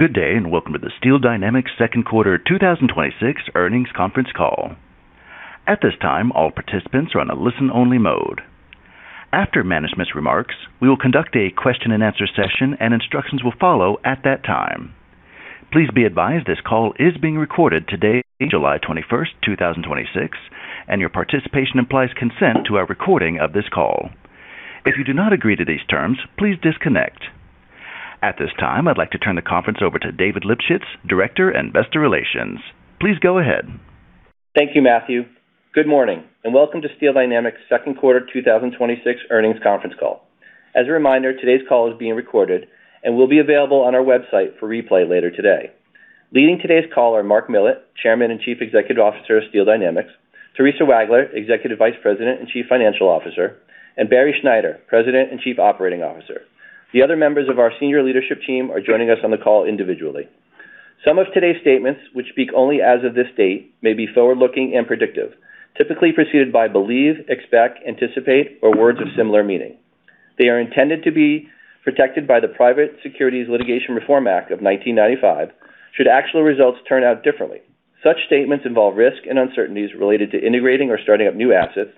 Good day, welcome to the Steel Dynamics second quarter 2026 earnings conference call. At this time, all participants are on a listen-only mode. After management's remarks, we will conduct a question-and-answer session, and instructions will follow at that time. Please be advised this call is being recorded today, July 21st, 2026, and your participation implies consent to our recording of this call. If you do not agree to these terms, please disconnect. At this time, I'd like to turn the conference over to David Lipschitz, Director of Investor Relations. Please go ahead. Thank you, Matthew. Good morning, and welcome to Steel Dynamics' second quarter 2026 earnings conference call. As a reminder, today's call is being recorded and will be available on our website for replay later today. Leading today's call are Mark Millett, Chairman and Chief Executive Officer of Steel Dynamics, Theresa Wagler, Executive Vice President and Chief Financial Officer, and Barry Schneider, President and Chief Operating Officer. The other members of our senior leadership team are joining us on the call individually. Some of today's statements, which speak only as of this date, may be forward-looking and predictive, typically preceded by believe, expect, anticipate, or words of similar meaning. They are intended to be protected by the Private Securities Litigation Reform Act of 1995 should actual results turn out differently. Such statements involve risk and uncertainties related to integrating or starting up new assets,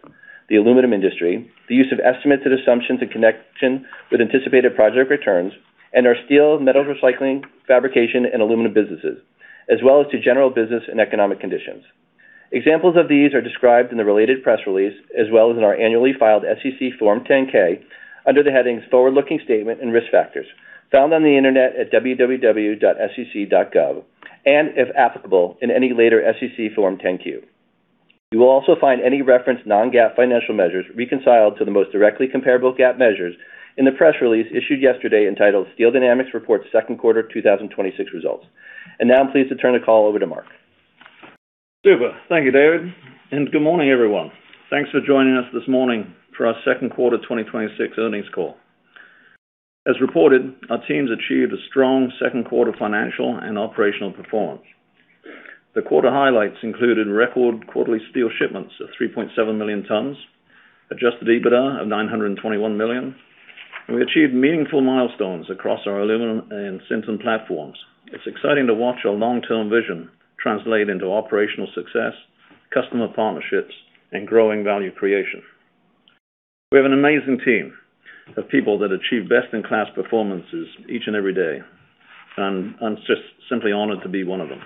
the aluminum industry, the use of estimates and assumptions in connection with anticipated project returns, and our steel, metals recycling, fabrication, and aluminum businesses, as well as to general business and economic conditions. Examples of these are described in the related press release, as well as in our annually filed SEC Form 10-K under the headings Forward-Looking Statement and Risk Factors found on the internet at www.sec.gov and, if applicable, in any later SEC Form 10-Q. You will also find any referenced non-GAAP financial measures reconciled to the most directly comparable GAAP measures in the press release issued yesterday entitled Steel Dynamics Reports Second Quarter 2026 Results. Now I'm pleased to turn the call over to Mark. Super. Thank you, David. Good morning, everyone. Thanks for joining us this morning for our second quarter 2026 earnings call. As reported, our teams achieved a strong second quarter financial and operational performance. The quarter highlights included record quarterly steel shipments of 3.7 million tons, adjusted EBITDA of $921 million, and we achieved meaningful milestones across our aluminum and Sinton platforms. It's exciting to watch our long-term vision translate into operational success, customer partnerships, and growing value creation. We have an amazing team of people that achieve best-in-class performances each and every day, and I'm just simply honored to be one of them.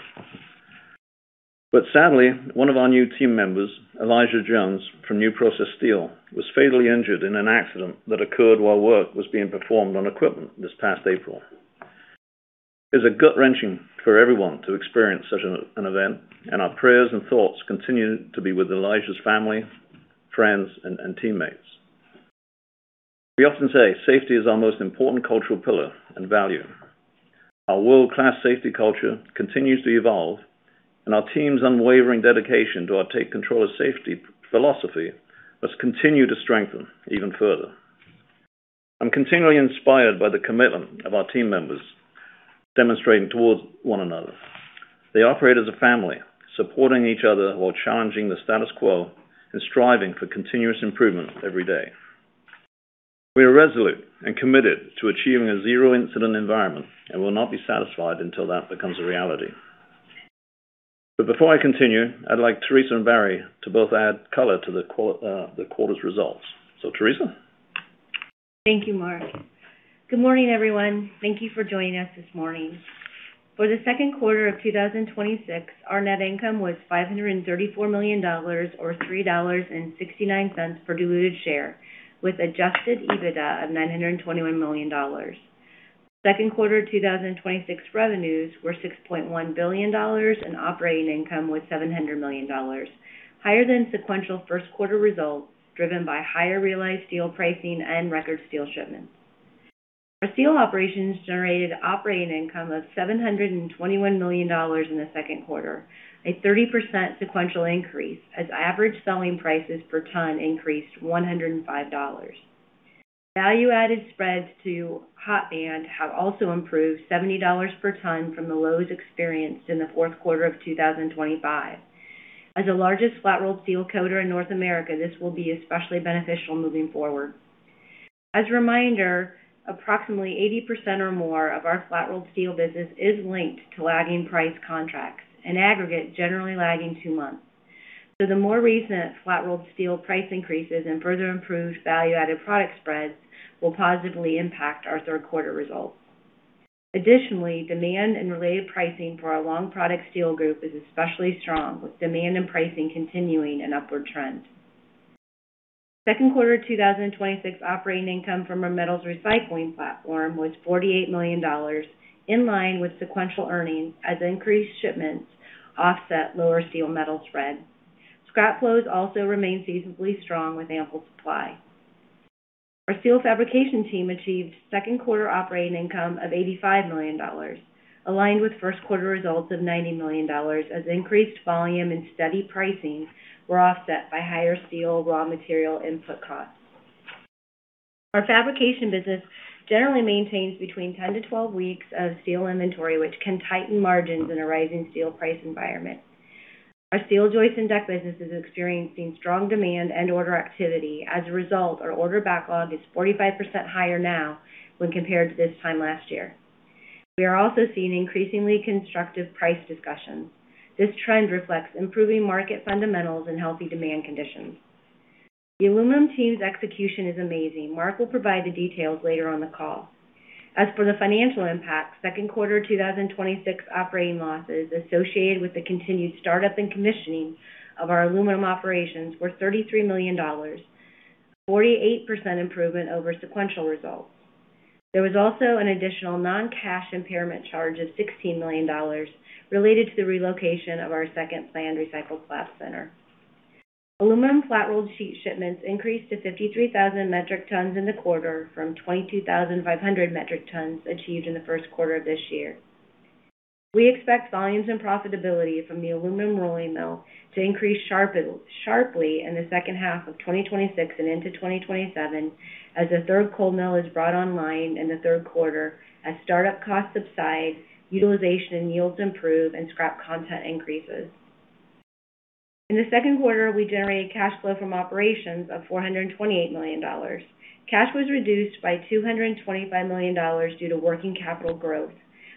Sadly, one of our new team members, Elijah Jones from New Process Steel, was fatally injured in an accident that occurred while work was being performed on equipment this past April. It's gut-wrenching for everyone to experience such an event, and our prayers and thoughts continue to be with Elijah's family, friends, and teammates. We often say safety is our most important cultural pillar and value. Our world-class safety culture continues to evolve, and our team's unwavering dedication to our take controller safety philosophy must continue to strengthen even further. I'm continually inspired by the commitment of our team members demonstrating towards one another. They operate as a family, supporting each other while challenging the status quo and striving for continuous improvement every day. We are resolute and committed to achieving a zero-incident environment and will not be satisfied until that becomes a reality. Before I continue, I'd like Theresa and Barry to both add color to the quarter's results. Theresa? Thank you, Mark. Good morning, everyone. Thank you for joining us this morning. For the second quarter of 2026, our net income was $534 million, or $3.69 per diluted share, with adjusted EBITDA of $921 million. Second quarter 2026 revenues were $6.1 billion, and operating income was $700 million, higher than sequential first quarter results, driven by higher realized steel pricing and record steel shipments. Our steel operations generated operating income of $721 million in the second quarter, a 30% sequential increase as average selling prices per ton increased $105. Value-added spreads to hot band have also improved $70 per ton from the lows experienced in the fourth quarter of 2025. As the largest flat-rolled steel coater in North America, this will be especially beneficial moving forward. As a reminder, approximately 80% or more of our flat-rolled steel business is linked to lagging price contracts, in aggregate, generally lagging two months. The more recent flat-rolled steel price increases and further improved value-added product spreads will positively impact our third quarter results. Additionally, demand and related pricing for our long product steel group is especially strong, with demand and pricing continuing an upward trend. Second quarter 2026 operating income from our metals recycling platform was $48 million, in line with sequential earnings as increased shipments offset lower steel metal spread. Scrap flows also remain seasonally strong with ample supply. Our steel fabrication team achieved second quarter operating income of $85 million, aligned with first quarter results of $90 million as increased volume and steady pricing were offset by higher steel raw material input costs. Our fabrication business generally maintains between 10-12 weeks of steel inventory, which can tighten margins in a rising steel price environment. Our steel joist and deck business is experiencing strong demand and order activity. As a result, our order backlog is 45% higher now when compared to this time last year. We are also seeing increasingly constructive price discussions. This trend reflects improving market fundamentals and healthy demand conditions. The aluminum team's execution is amazing. Mark will provide the details later on the call. As for the financial impact, second quarter 2026 operating losses associated with the continued startup and commissioning of our aluminum operations were $33 million, a 48% improvement over sequential results. There was also an additional non-cash impairment charge of $16 million related to the relocation of our second planned recycled slab center. Aluminum flat-rolled sheet shipments increased to 53,000 metric tons in the quarter from 22,500 metric tons achieved in the first quarter of this year. We expect volumes and profitability from the aluminum rolling mill to increase sharply in the second half of 2026 and into 2027 as the third cold mill is brought online in the third quarter, as startup costs subside, utilization and yields improve, and scrap content increases. In the second quarter, we generated cash flow from operations of $428 million. Cash was reduced by $225 million due to working capital growth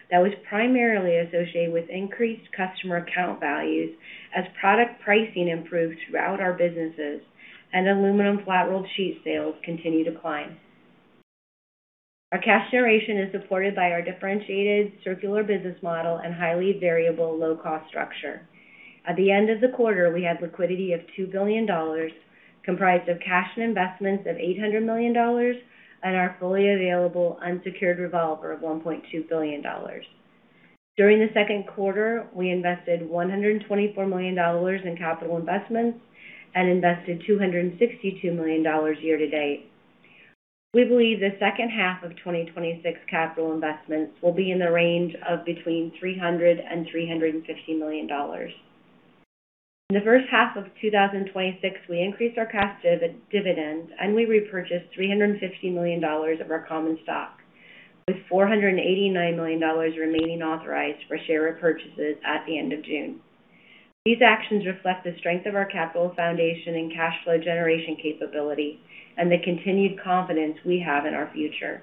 that was primarily associated with increased customer account values as product pricing improved throughout our businesses and aluminum flat-rolled sheet sales continue to climb. Our cash generation is supported by our differentiated circular business model and highly variable low-cost structure. At the end of the quarter, we had liquidity of $2 billion, comprised of cash and investments of $800 million and our fully available unsecured revolver of $1.2 billion. During the second quarter, we invested $124 million in capital investments and invested $262 million year to date. We believe the second half of 2026 capital investments will be in the range of between $300 million and $350 million. In the first half of 2026, we increased our cash dividend and we repurchased $350 million of our common stock, with $489 million remaining authorized for share repurchases at the end of June. These actions reflect the strength of our capital foundation and cash flow generation capability and the continued confidence we have in our future.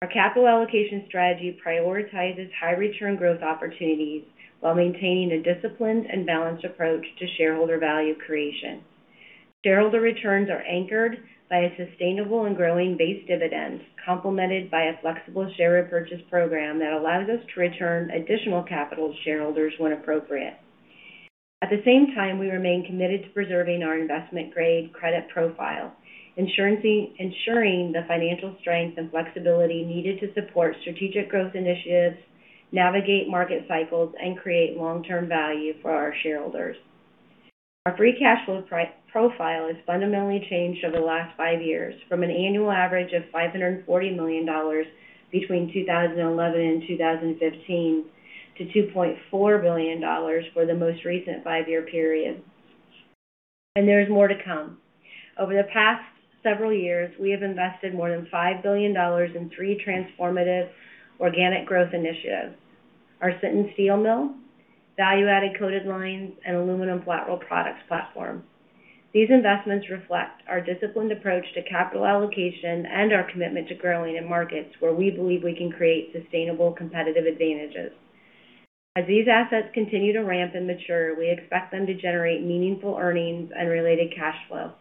Our capital allocation strategy prioritizes high-return growth opportunities while maintaining a disciplined and balanced approach to shareholder value creation. Shareholder returns are anchored by a sustainable and growing base dividend, complemented by a flexible share repurchase program that allows us to return additional capital to shareholders when appropriate. At the same time, we remain committed to preserving our investment-grade credit profile, ensuring the financial strength and flexibility needed to support strategic growth initiatives, navigate market cycles, and create long-term value for our shareholders. Our free cash flow profile has fundamentally changed over the last five years, from an annual average of $540 million between 2011 and 2015 to $2.4 billion for the most recent five-year period. There's more to come. Over the past several years, we have invested more than $5 billion in three transformative organic growth initiatives: our Sinton steel mill, value-added coated lines, and aluminum flat roll products platform. These investments reflect our disciplined approach to capital allocation and our commitment to growing in markets where we believe we can create sustainable competitive advantages. These assets continue to ramp and mature, we expect them to generate meaningful earnings and related cash flow.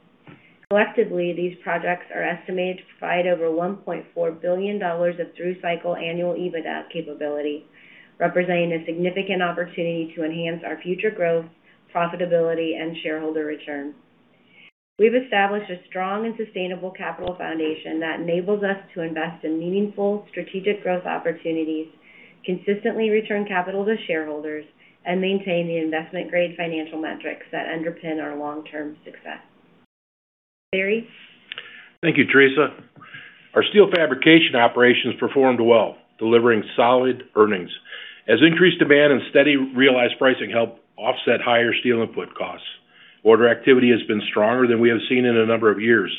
Collectively, these projects are estimated to provide over $1.4 billion of through-cycle annual EBITDA capability, representing a significant opportunity to enhance our future growth, profitability, and shareholder returns. We've established a strong and sustainable capital foundation that enables us to invest in meaningful strategic growth opportunities, consistently return capital to shareholders, and maintain the investment-grade financial metrics that underpin our long-term success. Barry? Thank you, Theresa. Our steel fabrication operations performed well, delivering solid earnings, as increased demand and steady realized pricing helped offset higher steel input costs. Order activity has been stronger than we have seen in a number of years.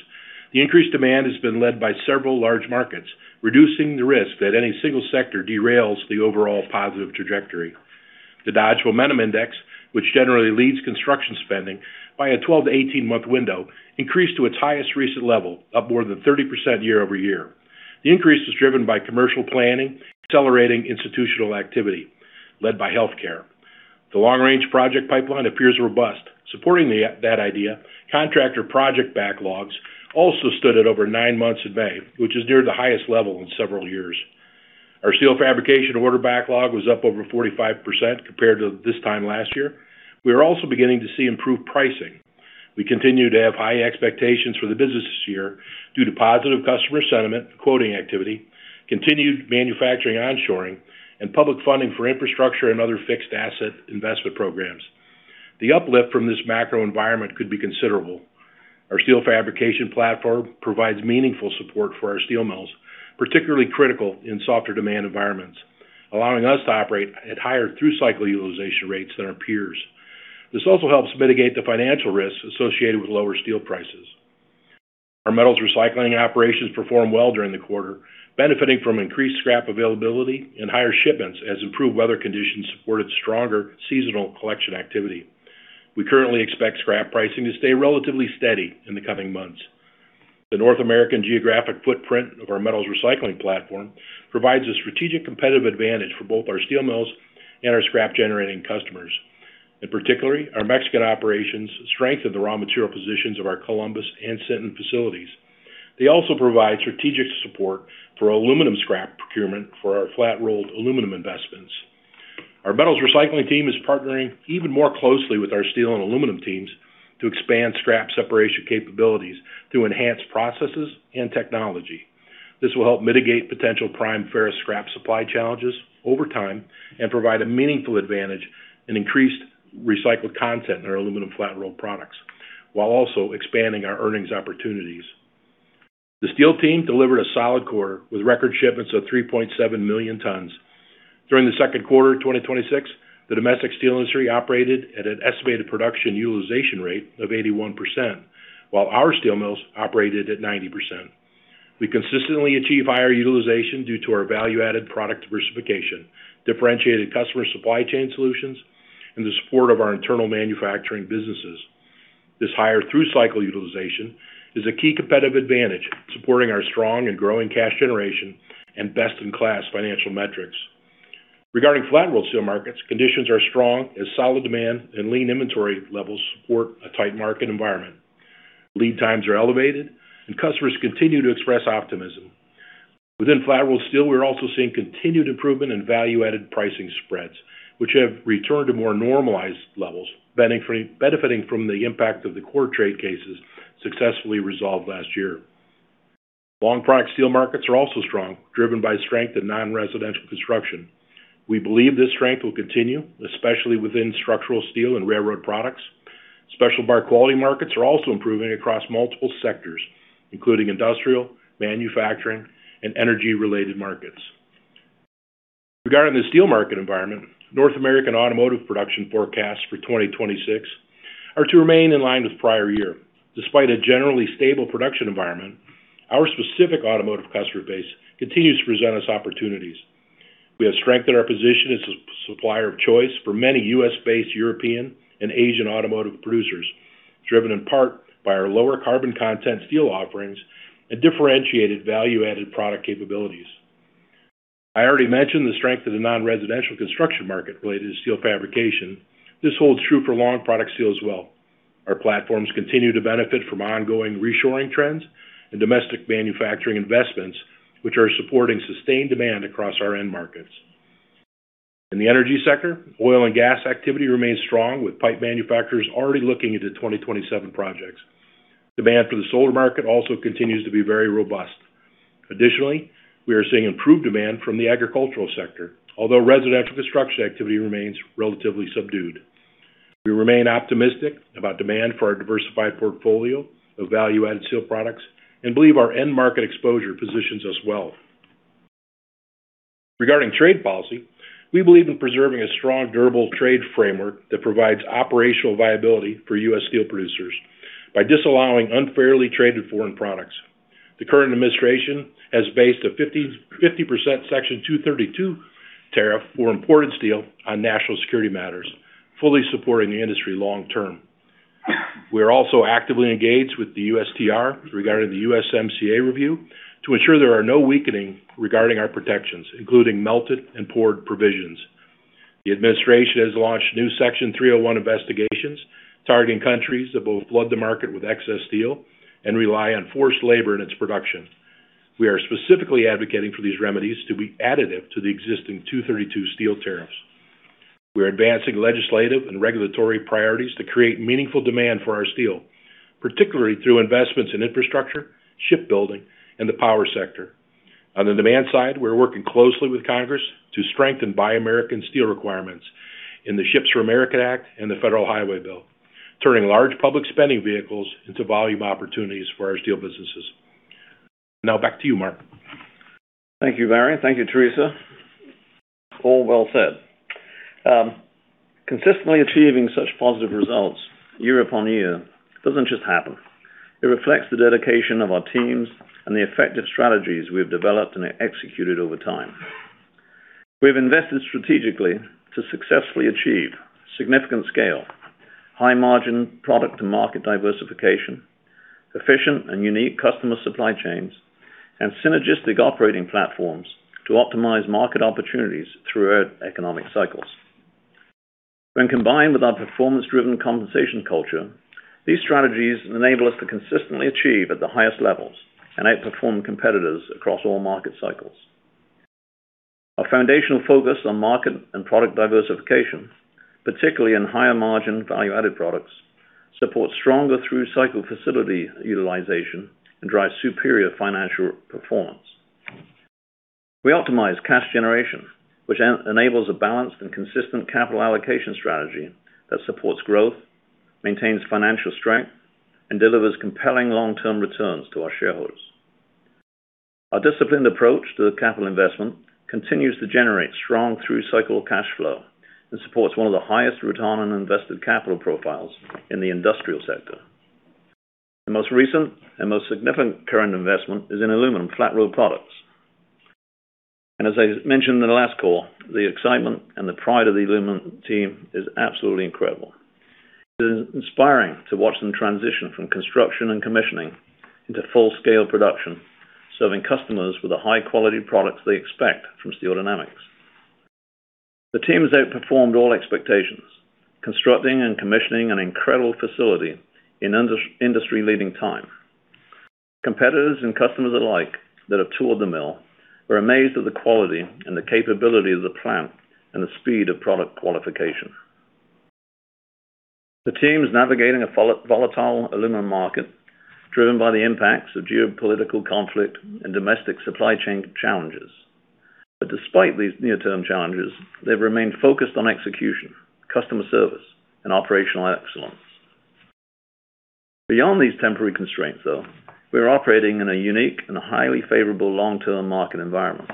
The increased demand has been led by several large markets, reducing the risk that any single sector derails the overall positive trajectory. The Dodge Momentum Index, which generally leads construction spending by a 12-18 month window, increased to its highest recent level, up more than 30% year-over-year. The increase was driven by commercial planning, accelerating institutional activity led by healthcare. The long-range project pipeline appears robust. Supporting that idea, contractor project backlogs also stood at over nine months in May, which is near the highest level in several years. Our steel fabrication order backlog was up over 45% compared to this time last year. We are also beginning to see improved pricing. We continue to have high expectations for the business this year due to positive customer sentiment, quoting activity, continued manufacturing onshoring, and public funding for infrastructure and other fixed asset investment programs. The uplift from this macro environment could be considerable. Our steel fabrication platform provides meaningful support for our steel mills, particularly critical in softer demand environments, allowing us to operate at higher through-cycle utilization rates than our peers. This also helps mitigate the financial risks associated with lower steel prices. Our metals recycling operations performed well during the quarter, benefiting from increased scrap availability and higher shipments as improved weather conditions supported stronger seasonal collection activity. We currently expect scrap pricing to stay relatively steady in the coming months. The North American geographic footprint of our metals recycling platform provides a strategic competitive advantage for both our steel mills and our scrap-generating customers. In particular, our Mexican operations strengthen the raw material positions of our Columbus and Sinton facilities. They also provide strategic support for aluminum scrap procurement for our flat rolled aluminum investments. Our metals recycling team is partnering even more closely with our steel and aluminum teams to expand scrap separation capabilities through enhanced processes and technology. This will help mitigate potential prime ferrous scrap supply challenges over time and provide a meaningful advantage in increased recycled content in our aluminum flat roll products while also expanding our earnings opportunities. The steel team delivered a solid quarter with record shipments of 3.7 million tons. During the second quarter of 2026, the domestic steel industry operated at an estimated production utilization rate of 81%, while our steel mills operated at 90%. We consistently achieve higher utilization due to our value-added product diversification, differentiated customer supply chain solutions, and the support of our internal manufacturing businesses. This higher through-cycle utilization is a key competitive advantage supporting our strong and growing cash generation and best-in-class financial metrics. Regarding flat rolled steel markets, conditions are strong as solid demand and lean inventory levels support a tight market environment. Lead times are elevated and customers continue to express optimism. Within flat rolled steel, we're also seeing continued improvement in value-added pricing spreads, which have returned to more normalized levels, benefiting from the impact of the core trade cases successfully resolved last year. Long product steel markets are also strong, driven by strength in non-residential construction. We believe this strength will continue, especially within structural steel and railroad products. Special bar quality markets are also improving across multiple sectors, including industrial, manufacturing, and energy-related markets. Regarding the steel market environment, North American automotive production forecasts for 2026 are to remain in line with prior year. Despite a generally stable production environment, our specific automotive customer base continues to present us opportunities. We have strengthened our position as a supplier of choice for many U.S.-based European and Asian automotive producers, driven in part by our lower carbon content steel offerings and differentiated value-added product capabilities. I already mentioned the strength of the non-residential construction market related to steel fabrication. This holds true for long product steel as well. Our platforms continue to benefit from ongoing reshoring trends and domestic manufacturing investments, which are supporting sustained demand across our end markets. In the energy sector, oil and gas activity remains strong, with pipe manufacturers already looking into 2027 projects. Demand for the solar market also continues to be very robust. Additionally, we are seeing improved demand from the agricultural sector, although residential construction activity remains relatively subdued. We remain optimistic about demand for our diversified portfolio of value-added steel products and believe our end-market exposure positions us well. Regarding trade policy, we believe in preserving a strong, durable trade framework that provides operational viability for U.S. steel producers by disallowing unfairly traded foreign products. The current administration has based a 50% Section 232 tariff for imported steel on national security matters, fully supporting the industry long term. We are also actively engaged with the USTR regarding the USMCA review to ensure there are no weakening regarding our protections, including melted and poured provisions. The administration has launched new Section 301 investigations targeting countries that both flood the market with excess steel and rely on forced labor in its production. We are specifically advocating for these remedies to be additive to the existing 232 steel tariffs. We are advancing legislative and regulatory priorities to create meaningful demand for our steel, particularly through investments in infrastructure, shipbuilding, and the power sector. On the demand side, we are working closely with Congress to strengthen Buy American steel requirements in the SHIPS for America Act and the Federal Highway bill, turning large public spending vehicles into volume opportunities for our steel businesses. Now back to you, Mark. Thank you, Barry. Thank you, Theresa. All well said. Consistently achieving such positive results year upon year doesn't just happen. It reflects the dedication of our teams and the effective strategies we have developed and executed over time. We have invested strategically to successfully achieve significant scale, high margin product to market diversification, efficient and unique customer supply chains, and synergistic operating platforms to optimize market opportunities throughout economic cycles. When combined with our performance-driven compensation culture, these strategies enable us to consistently achieve at the highest levels and outperform competitors across all market cycles. Our foundational focus on market and product diversification, particularly in higher margin value-added products, supports stronger through-cycle facility utilization and drives superior financial performance. We optimize cash generation, which enables a balanced and consistent capital allocation strategy that supports growth, maintains financial strength, and delivers compelling long-term returns to our shareholders. Our disciplined approach to capital investment continues to generate strong through-cycle cash flow and supports one of the highest return on invested capital profiles in the industrial sector. The most recent and most significant current investment is in aluminum flat roll products. As I mentioned in the last call, the excitement and the pride of the aluminum team is absolutely incredible. It is inspiring to watch them transition from construction and commissioning into full-scale production, serving customers with the high-quality products they expect from Steel Dynamics. The team has outperformed all expectations, constructing and commissioning an incredible facility in industry-leading time. Competitors and customers alike that have toured the mill were amazed at the quality and the capability of the plant and the speed of product qualification. The team is navigating a volatile aluminum market driven by the impacts of geopolitical conflict and domestic supply chain challenges. Despite these near-term challenges, they've remained focused on execution, customer service, and operational excellence. Beyond these temporary constraints, though, we are operating in a unique and highly favorable long-term market environment.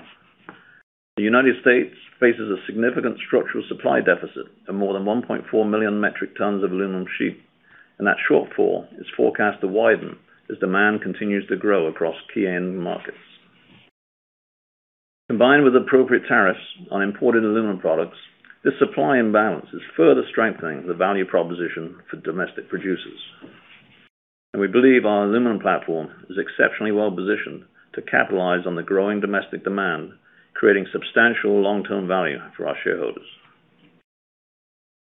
The United States faces a significant structural supply deficit of more than 1.4 million metric tons of aluminum sheet, that shortfall is forecast to widen as demand continues to grow across key end markets. Combined with appropriate tariffs on imported aluminum products, this supply imbalance is further strengthening the value proposition for domestic producers. We believe our aluminum platform is exceptionally well-positioned to capitalize on the growing domestic demand, creating substantial long-term value for our shareholders.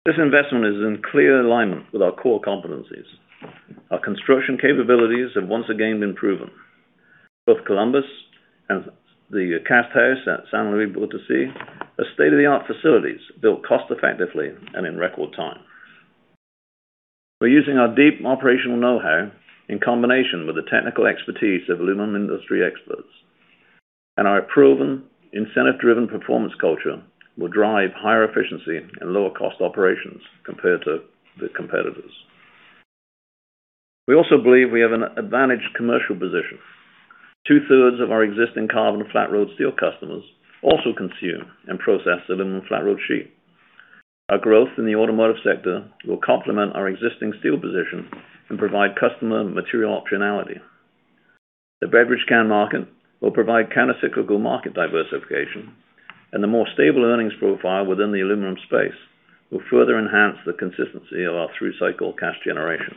This investment is in clear alignment with our core competencies. Our construction capabilities have once again been proven. Both Columbus and the [cast house] at [Saint Marie, Louisiana], are state-of-the-art facilities built cost-effectively and in record time. We're using our deep operational know-how in combination with the technical expertise of aluminum industry experts. Our proven incentive-driven performance culture will drive higher efficiency and lower cost operations compared to the competitors. We also believe we have an advantaged commercial position. Two-thirds of our existing carbon flat rolled steel customers also consume and process aluminum flat rolled sheet. Our growth in the automotive sector will complement our existing steel position and provide customer material optionality. The beverage can market will provide countercyclical market diversification, the more stable earnings profile within the aluminum space will further enhance the consistency of our through-cycle cash generation.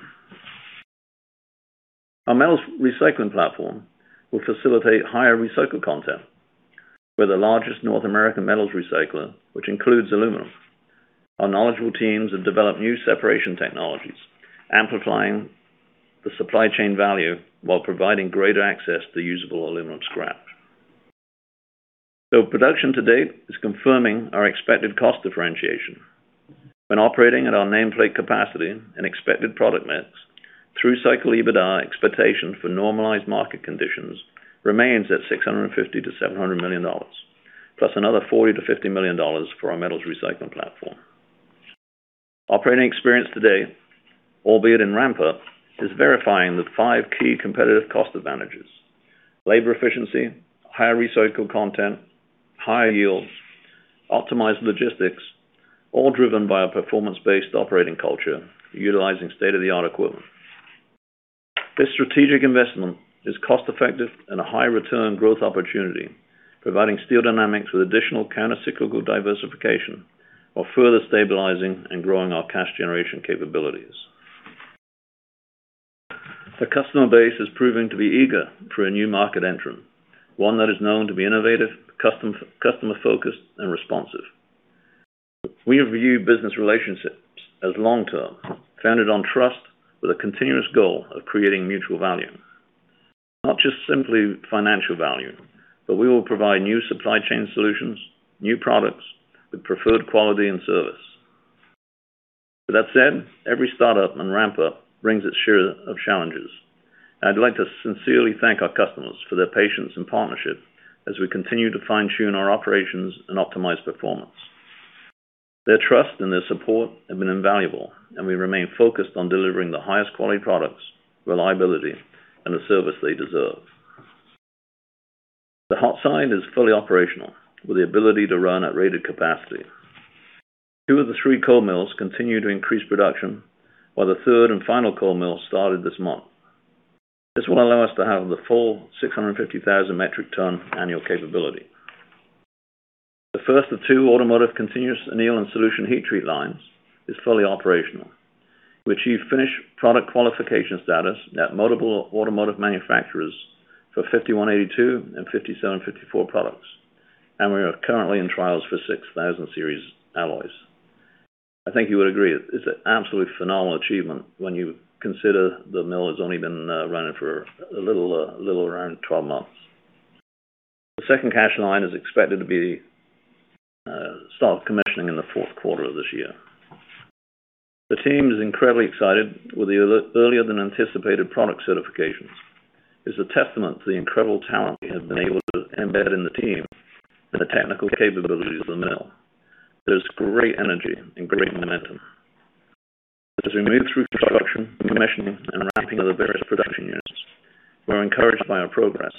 Our metals recycling platform will facilitate higher recycled content. We're the largest North American metals recycler, which includes aluminum. Our knowledgeable teams have developed new separation technologies, amplifying the supply chain value while providing greater access to usable aluminum scrap. Production to date is confirming our expected cost differentiation. When operating at our nameplate capacity and expected product mix, through cycle EBITDA expectation for normalized market conditions remains at $650 million-$700 million, plus another $40 million-$50 million for our metals recycling platform. Operating experience today, albeit in ramp-up, is verifying the five key competitive cost advantages: labor efficiency, higher recycled content, higher yields, optimized logistics, all driven by a performance-based operating culture utilizing state-of-the-art equipment. This strategic investment is cost-effective and a high return growth opportunity, providing Steel Dynamics with additional countercyclical diversification, while further stabilizing and growing our cash generation capabilities. The customer base is proving to be eager for a new market entrant, one that is known to be innovative, customer-focused, and responsive. We review business relationships as long term, founded on trust, with a continuous goal of creating mutual value. Not just simply financial value, but we will provide new supply chain solutions, new products with preferred quality and service. With that said, every startup and ramp-up brings its share of challenges, and I'd like to sincerely thank our customers for their patience and partnership as we continue to fine-tune our operations and optimize performance. Their trust and their support have been invaluable, and we remain focused on delivering the highest quality products, reliability, and the service they deserve. The hot side is fully operational, with the ability to run at rated capacity. Two of the three cold mills continue to increase production, while the third and final cold mill started this month. This will allow us to have the full 650,000 metric ton annual capability. The first of two automotive Continuous Annealing and Solution Heat treating lines is fully operational. We achieved finished product qualification status at multiple automotive manufacturers for 5182 and 5754 products, and we are currently in trials for 6000 series alloys. I think you would agree, it's an absolutely phenomenal achievement when you consider the mill has only been running for a little around 12 months. The second CASH line is expected to start commissioning in the fourth quarter of this year. The team is incredibly excited with the earlier-than-anticipated product certifications. It's a testament to the incredible talent we have been able to embed in the team and the technical capabilities of the mill. There's great energy and great momentum as we move through production, commissioning, and ramping of the various production units. We're encouraged by our progress,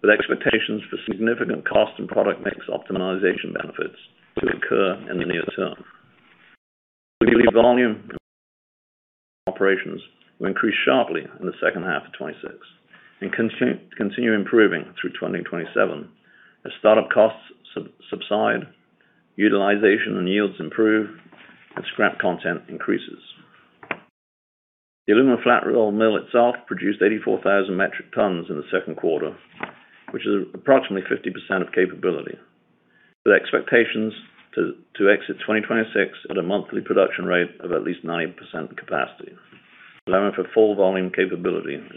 with expectations for significant cost and product mix optimization benefits to occur in the near term. We believe volume operations will increase sharply in the second half of 2026 and continue improving through 2027 as startup costs subside, utilization and yields improve, and scrap content increases. The aluminum flat roll mill itself produced 84,000 metric tons in the second quarter, which is approximately 50% of capability, with expectations to exit 2026 at a monthly production rate of at least 90% capacity, allowing for full volume capability in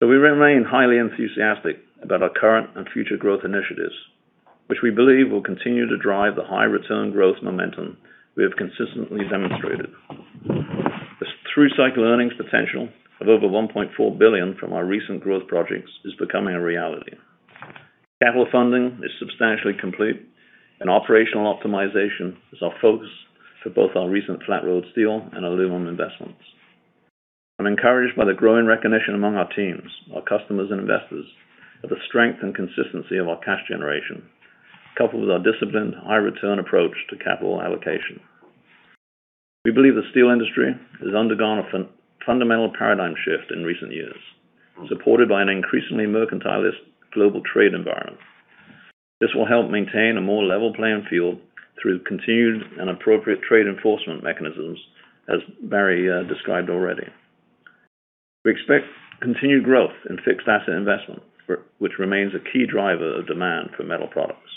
2027. We remain highly enthusiastic about our current and future growth initiatives, which we believe will continue to drive the high return growth momentum we have consistently demonstrated. This through-cycle earnings potential of over $1.4 billion from our recent growth projects is becoming a reality. Capital funding is substantially complete, and operational optimization is our focus for both our recent flat rolled steel and aluminum investments. I'm encouraged by the growing recognition among our teams, our customers, and investors of the strength and consistency of our cash generation, coupled with our disciplined high return approach to capital allocation. We believe the steel industry has undergone a fundamental paradigm shift in recent years, supported by an increasingly mercantilist global trade environment. This will help maintain a more level playing field through continued and appropriate trade enforcement mechanisms, as Barry described already. We expect continued growth in fixed asset investment, which remains a key driver of demand for metal products.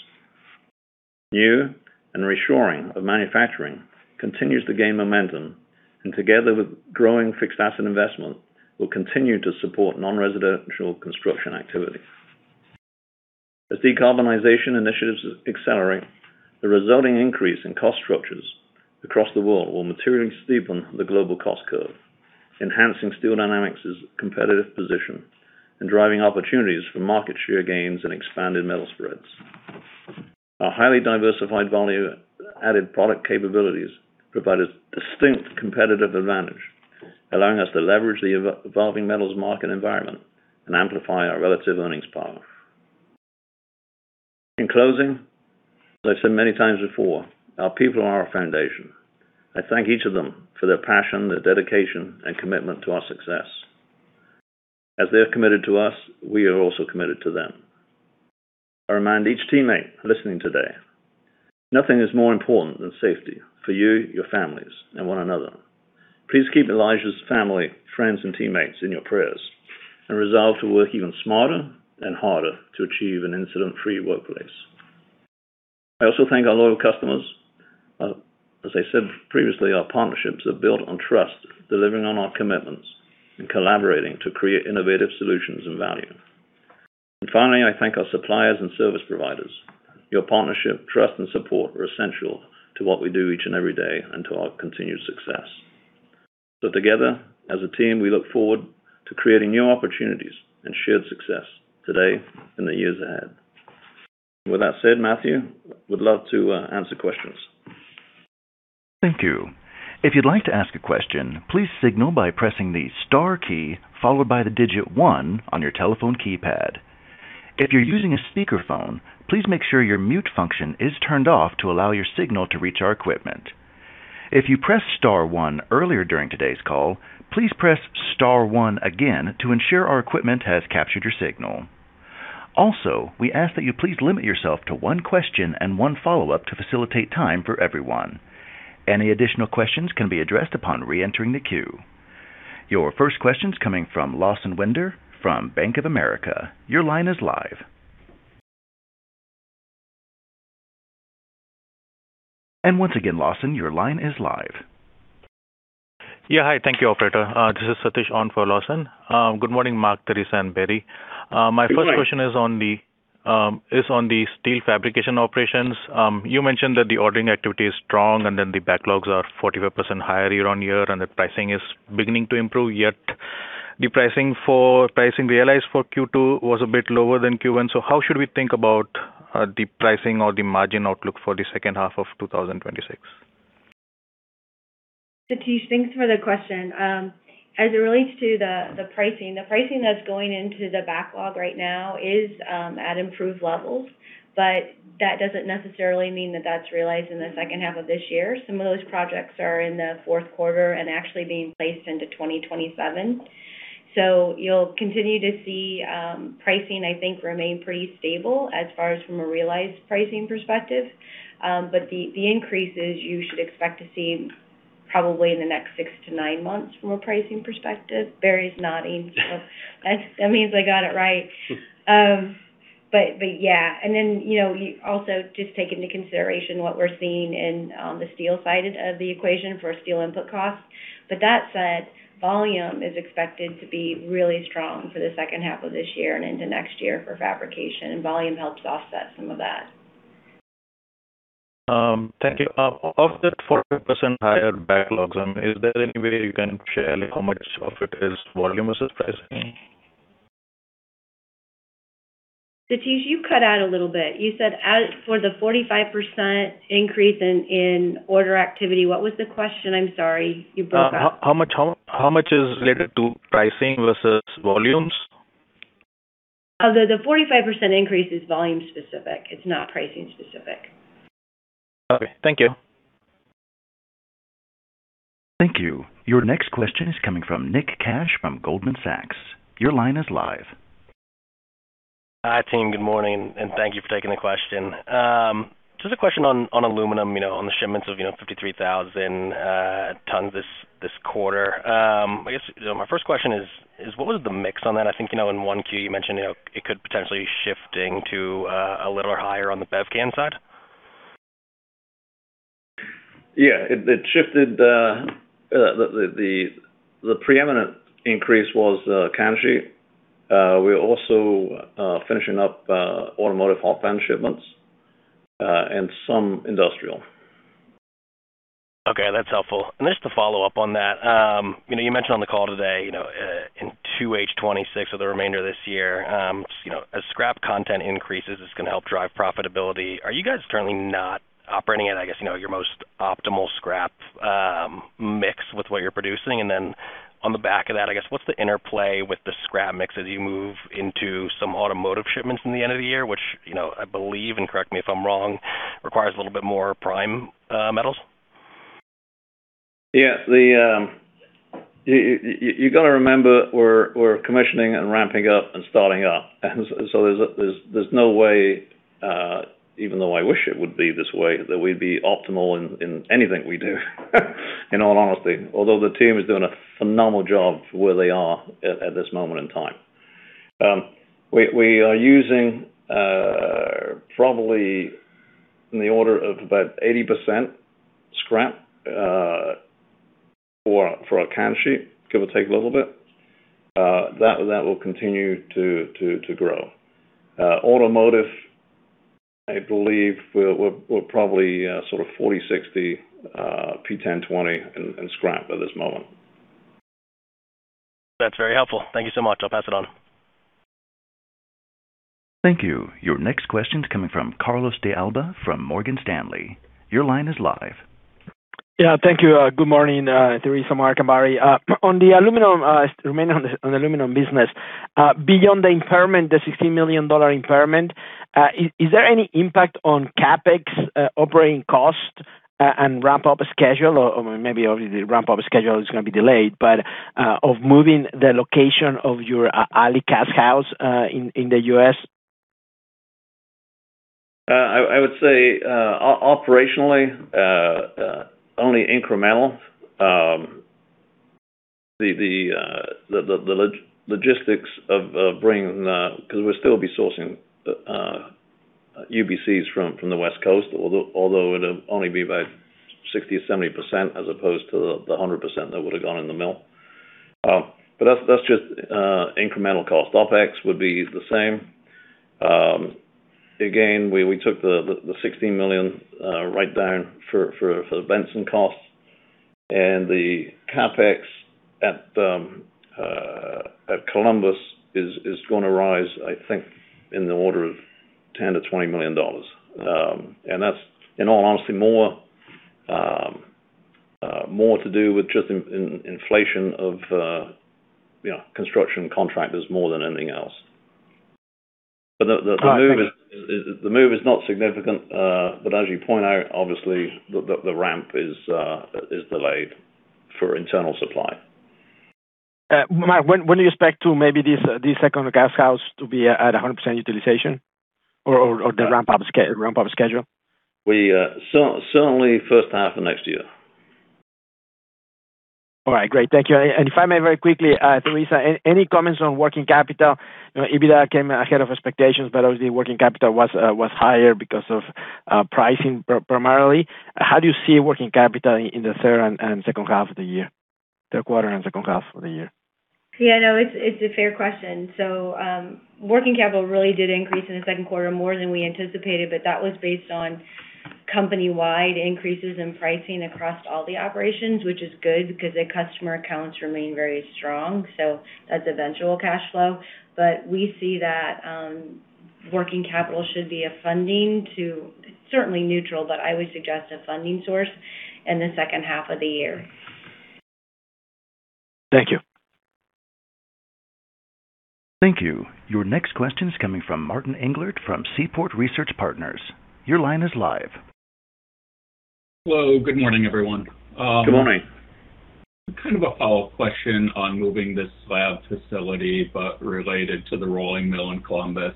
New and reshoring of manufacturing continues to gain momentum, and together with growing fixed asset investment, will continue to support non-residential construction activity. As decarbonization initiatives accelerate, the resulting increase in cost structures across the world will materially steepen the global cost curve, enhancing Steel Dynamics' competitive position and driving opportunities for market share gains and expanded metal spreads. Our highly diversified value-added product capabilities provide a distinct competitive advantage, allowing us to leverage the evolving metals market environment and amplify our relative earnings power. In closing, as I've said many times before, our people are our foundation. I thank each of them for their passion, their dedication, and commitment to our success. As they are committed to us, we are also committed to them. I remind each teammate listening today, nothing is more important than safety for you, your families, and one another. Please keep Elijah's family, friends, and teammates in your prayers and resolve to work even smarter and harder to achieve an incident-free workplace. I also thank our loyal customers. As I said previously, our partnerships are built on trust, delivering on our commitments, and collaborating to create innovative solutions and value. And finally, I thank our suppliers and service providers. Your partnership, trust, and support are essential to what we do each and every day and to our continued success. So together as a team, we look forward to creating new opportunities and shared success today and the years ahead. With that said, Matthew, would love to answer questions. Thank you. If you'd like to ask a question, please signal by pressing the star key, followed by the digit one on your telephone keypad. If you're using a speakerphone, please make sure your mute function is turned off to allow your signal to reach our equipment. If you pressed star one earlier during today's call, please press star one again to ensure our equipment has captured your signal. Also, we ask that you please limit yourself to one question and one follow-up to facilitate time for everyone. Any additional questions can be addressed upon reentering the queue. Your first question's coming from Lawson Winder from Bank of America. Your line is live. And once again, Lawson, your line is live. Yeah. Hi. Thank you, operator. This is Satish on for Lawson. Good morning, Mark, Theresa, and Barry. Good morning. My first question is on the steel fabrication operations. You mentioned that the ordering activity is strong, the backlogs are 45% higher year-on-year, the pricing is beginning to improve. The pricing realized for Q2 was a bit lower than Q1. How should we think about the pricing or the margin outlook for the second half of 2026? Satish, thanks for the question. As it relates to the pricing, the pricing that's going into the backlog right now is at improved levels, that doesn't necessarily mean that that's realized in the second half of this year. Some of those projects are in the fourth quarter and actually being placed into 2027. You'll continue to see pricing, I think, remain pretty stable as far as from a realized pricing perspective. The increases you should expect to see probably in the next six to nine months from a pricing perspective. Barry's nodding, so that means I got it right. Yeah. You also just take into consideration what we're seeing in the steel side of the equation for steel input costs. That said, volume is expected to be really strong for the second half of this year and into next year for fabrication, volume helps offset some of that. Thank you. Of that 40% higher backlogs, is there any way you can share how much of it is volume versus pricing? Satish, you cut out a little bit. You said for the 45% increase in order activity, what was the question? I'm sorry. You broke up. How much is related to pricing versus volumes? The 45% increase is volume specific. It's not pricing specific. Okay. Thank you. Thank you. Your next question is coming from Nick Cash from Goldman Sachs. Your line is live. Hi, team. Good morning, and thank you for taking the question. Just a question on aluminum, on the shipments of 53,000 tons this quarter. I guess my first question is, what was the mix on that? I think in 1Q, you mentioned it could potentially shifting to a little higher on the BevCan side. Yeah. The preeminent increase was can sheet. We're also finishing up automotive hot band shipments, and some industrial. Just to follow up on that, you mentioned on the call today, in 2H 2026 or the remainder of this year, as scrap content increases, it's going to help drive profitability. Are you guys currently not operating at, I guess, your most optimal scrap mix with what you're producing? On the back of that, I guess, what's the interplay with the scrap mix as you move into some automotive shipments in the end of the year, which I believe, and correct me if I'm wrong, requires a little bit more prime metals? Yeah. You got to remember, we're commissioning and ramping up and starting up. There's no way, even though I wish it would be this way, that we'd be optimal in anything we do in all honesty. Although the team is doing a phenomenal job for where they are at this moment in time. We are using probably in the order of about 80% scrap for our can sheet, give or take a little bit. That will continue to grow. Automotive, I believe we're probably sort of 40/60 P1020 in scrap at this moment. That's very helpful. Thank you so much. I'll pass it on. Thank you. Your next question's coming from Carlos de Alba from Morgan Stanley. Your line is live. Yeah, thank you. Good morning, Theresa, Mark, and Barry. On the aluminum, remaining on the aluminum business. Beyond the impairment, the $16 million impairment, is there any impact on CapEx operating cost and ramp-up schedule? Or maybe already the ramp-up schedule is going to be delayed, but of moving the location of your aluminum cast house in the U.S.? I would say operationally, only incremental. The logistics of bringing the because we'll still be sourcing UBCs from the West Coast, although it'll only be about 60%-70%, as opposed to the 100% that would've gone in the mill. That's just incremental cost. OpEx would be the same. Again, we took the $16 million write-down for Benson costs, and the CapEx at Columbus is going to rise, I think, in the order of $10 million-$20 million. That's, in all honesty, more to do with just inflation of construction contractors more than anything else. All right. Thank you. The move is not significant. As you point out, obviously, the ramp is delayed for internal supply. Mark, when do you expect to maybe this second cast house to be at 100% utilization or the ramp-up schedule? Certainly first half of next year. All right. Great. Thank you. If I may, very quickly, Theresa, any comments on working capital? EBITDA came ahead of expectations, but obviously working capital was higher because of pricing primarily. How do you see working capital in the third and second half of the year, third quarter, and second half of the year? Yeah, no, it's a fair question. Working capital really did increase in the second quarter more than we anticipated, but that was based on company-wide increases in pricing across all the operations, which is good because the customer accounts remain very strong. That's eventual cash flow. We see that working capital should be a funding to, certainly neutral, but I would suggest a funding source in the second half of the year. Thank you. Thank you. Your next question's coming from Martin Englert from Seaport Research Partners. Your line is live. Hello. Good morning, everyone. Good morning. Kind of a follow-up question on moving the slab facility, but related to the rolling mill in Columbus.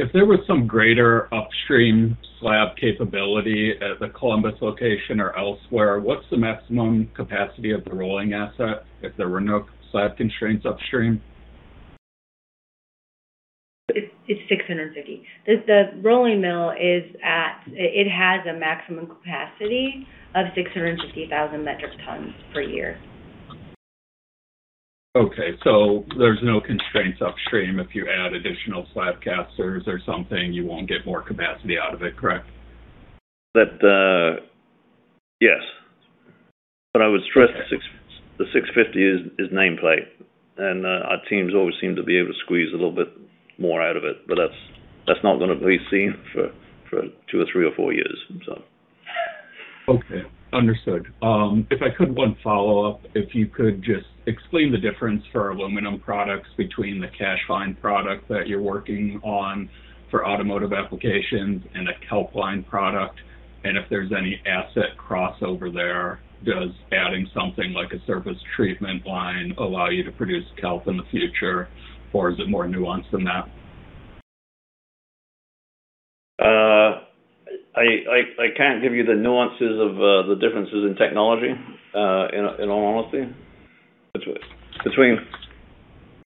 If there was some greater upstream slab capability at the Columbus location or elsewhere, what's the maximum capacity of the rolling asset if there were no slab constraints upstream? It's 650. The rolling mill, it has a maximum capacity of 650,000 metric tons per year. Okay. There's no constraints upstream. If you add additional slab casters or something, you won't get more capacity out of it, correct? Yes I would stress the 650 is nameplate, and our teams always seem to be able to squeeze a little bit more out of it, but that's not going to be seen for two or three or four years. Okay. Understood. If I could one follow-up, if you could just explain the difference for aluminum products between the CASH line product that you're working on for automotive applications and a CALP line product, and if there's any asset crossover there. Does adding something like a surface treatment line allow you to produce CALP in the future, or is it more nuanced than that? I can't give you the nuances of the differences in technology, in all honesty.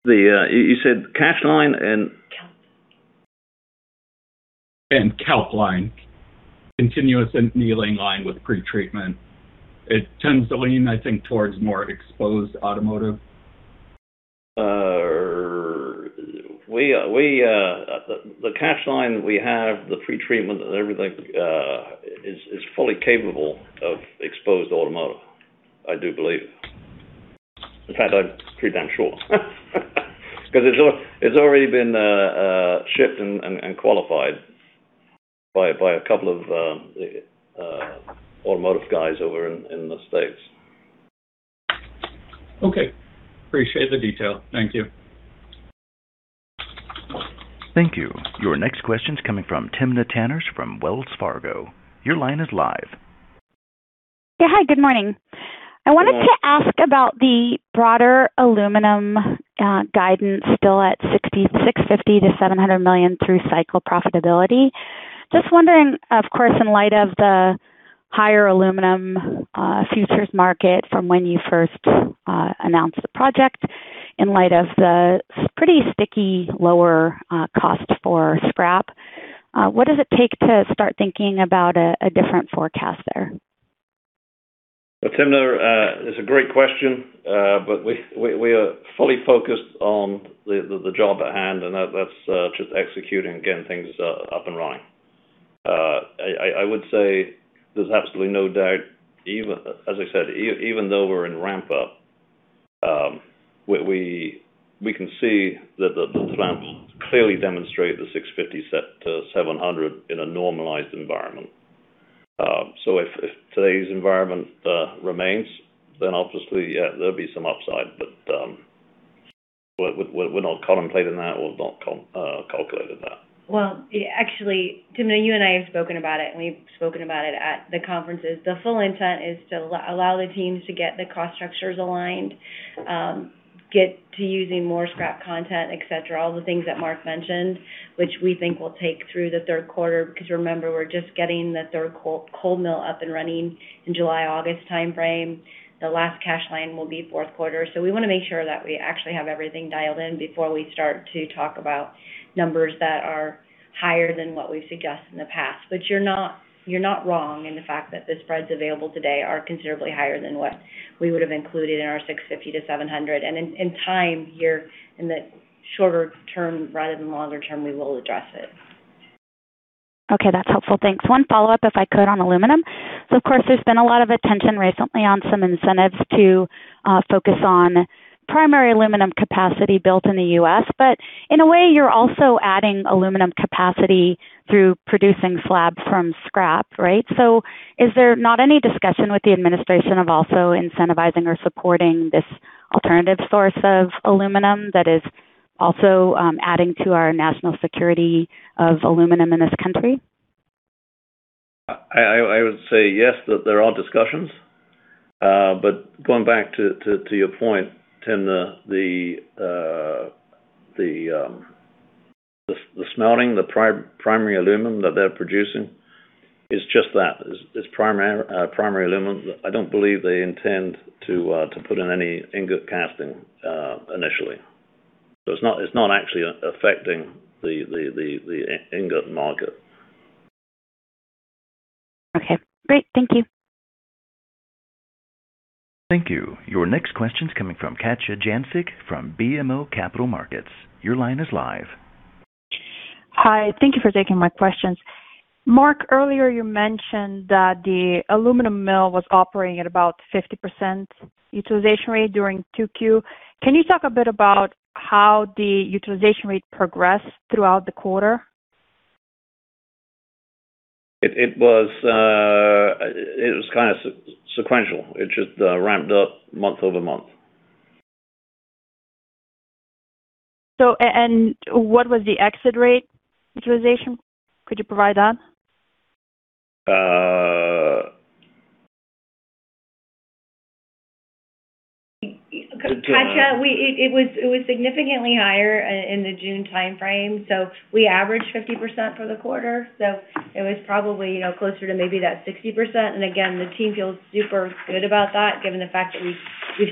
You said CASH line and- CALP line. Continuous annealing line with pretreatment. It tends to lean, I think, towards more exposed automotive. The CASH line that we have, the pretreatment and everything is fully capable of exposed automotive. I do believe. In fact, I'm pretty damn sure. Because it's already been shipped and qualified by a couple of automotive guys over in the States. Okay. Appreciate the detail. Thank you. Thank you. Your next question's coming from Timna Tanners from Wells Fargo. Your line is live. Yeah. Hi, good morning. Good morning. I wanted to ask about the broader aluminum guidance still at $650 million-$700 million through cycle profitability. Just wondering, of course, in light of the higher aluminum futures market from when you first announced the project, in light of the pretty sticky, lower cost for scrap, what does it take to start thinking about a different forecast there? Timna, it's a great question. We are fully focused on the job at hand, and that's just executing and getting things up and running. I would say there's absolutely no doubt, as I said, even though we're in ramp-up, we can see that the plans clearly demonstrate the $650 million-$700 million in a normalized environment. If today's environment remains, then obviously, yeah, there'll be some upside, but we're not contemplating that or not calculated that. Well, actually, Timna, you and I have spoken about it, and we've spoken about it at the conferences. The full intent is to allow the teams to get the cost structures aligned, get to using more scrap content, et cetera, all the things that Mark mentioned, which we think will take through the third quarter, because remember, we're just getting the third cold mill up and running in July, August timeframe. The last CASH line will be fourth quarter. We want to make sure that we actually have everything dialed in before we start to talk about numbers that are higher than what we've suggested in the past. You're not wrong in the fact that the spreads available today are considerably higher than what we would have included in our $650 million-$700 million. In time here, in the shorter term rather than longer term, we will address it. Okay. That's helpful. Thanks. One follow-up, if I could, on aluminum. Of course, there's been a lot of attention recently on some incentives to focus on primary aluminum capacity built in the U.S. In a way, you're also adding aluminum capacity through producing slab from scrap, right? Is there not any discussion with the administration of also incentivizing or supporting this alternative source of aluminum that is also adding to our national security of aluminum in this country? I would say yes, that there are discussions. Going back to your point, Timna, the smelting, the primary aluminum that they're producing is just that. It's primary aluminum. I don't believe they intend to put in any ingot casting initially. It's not actually affecting the ingot market. Okay. Great. Thank you. Thank you. Your next question's coming from Katja Jancic from BMO Capital Markets. Your line is live. Hi. Thank you for taking my questions. Mark, earlier you mentioned that the aluminum mill was operating at about 50% utilization rate during 2Q. Can you talk a bit about how the utilization rate progressed throughout the quarter? It was kind of sequential. It just ramped up month-over-month. What was the exit rate utilization? Could you provide that? To- Katja, it was significantly higher in the June timeframe. We averaged 50% for the quarter. It was probably closer to maybe that 60%. Again, the team feels super good about that given the fact that we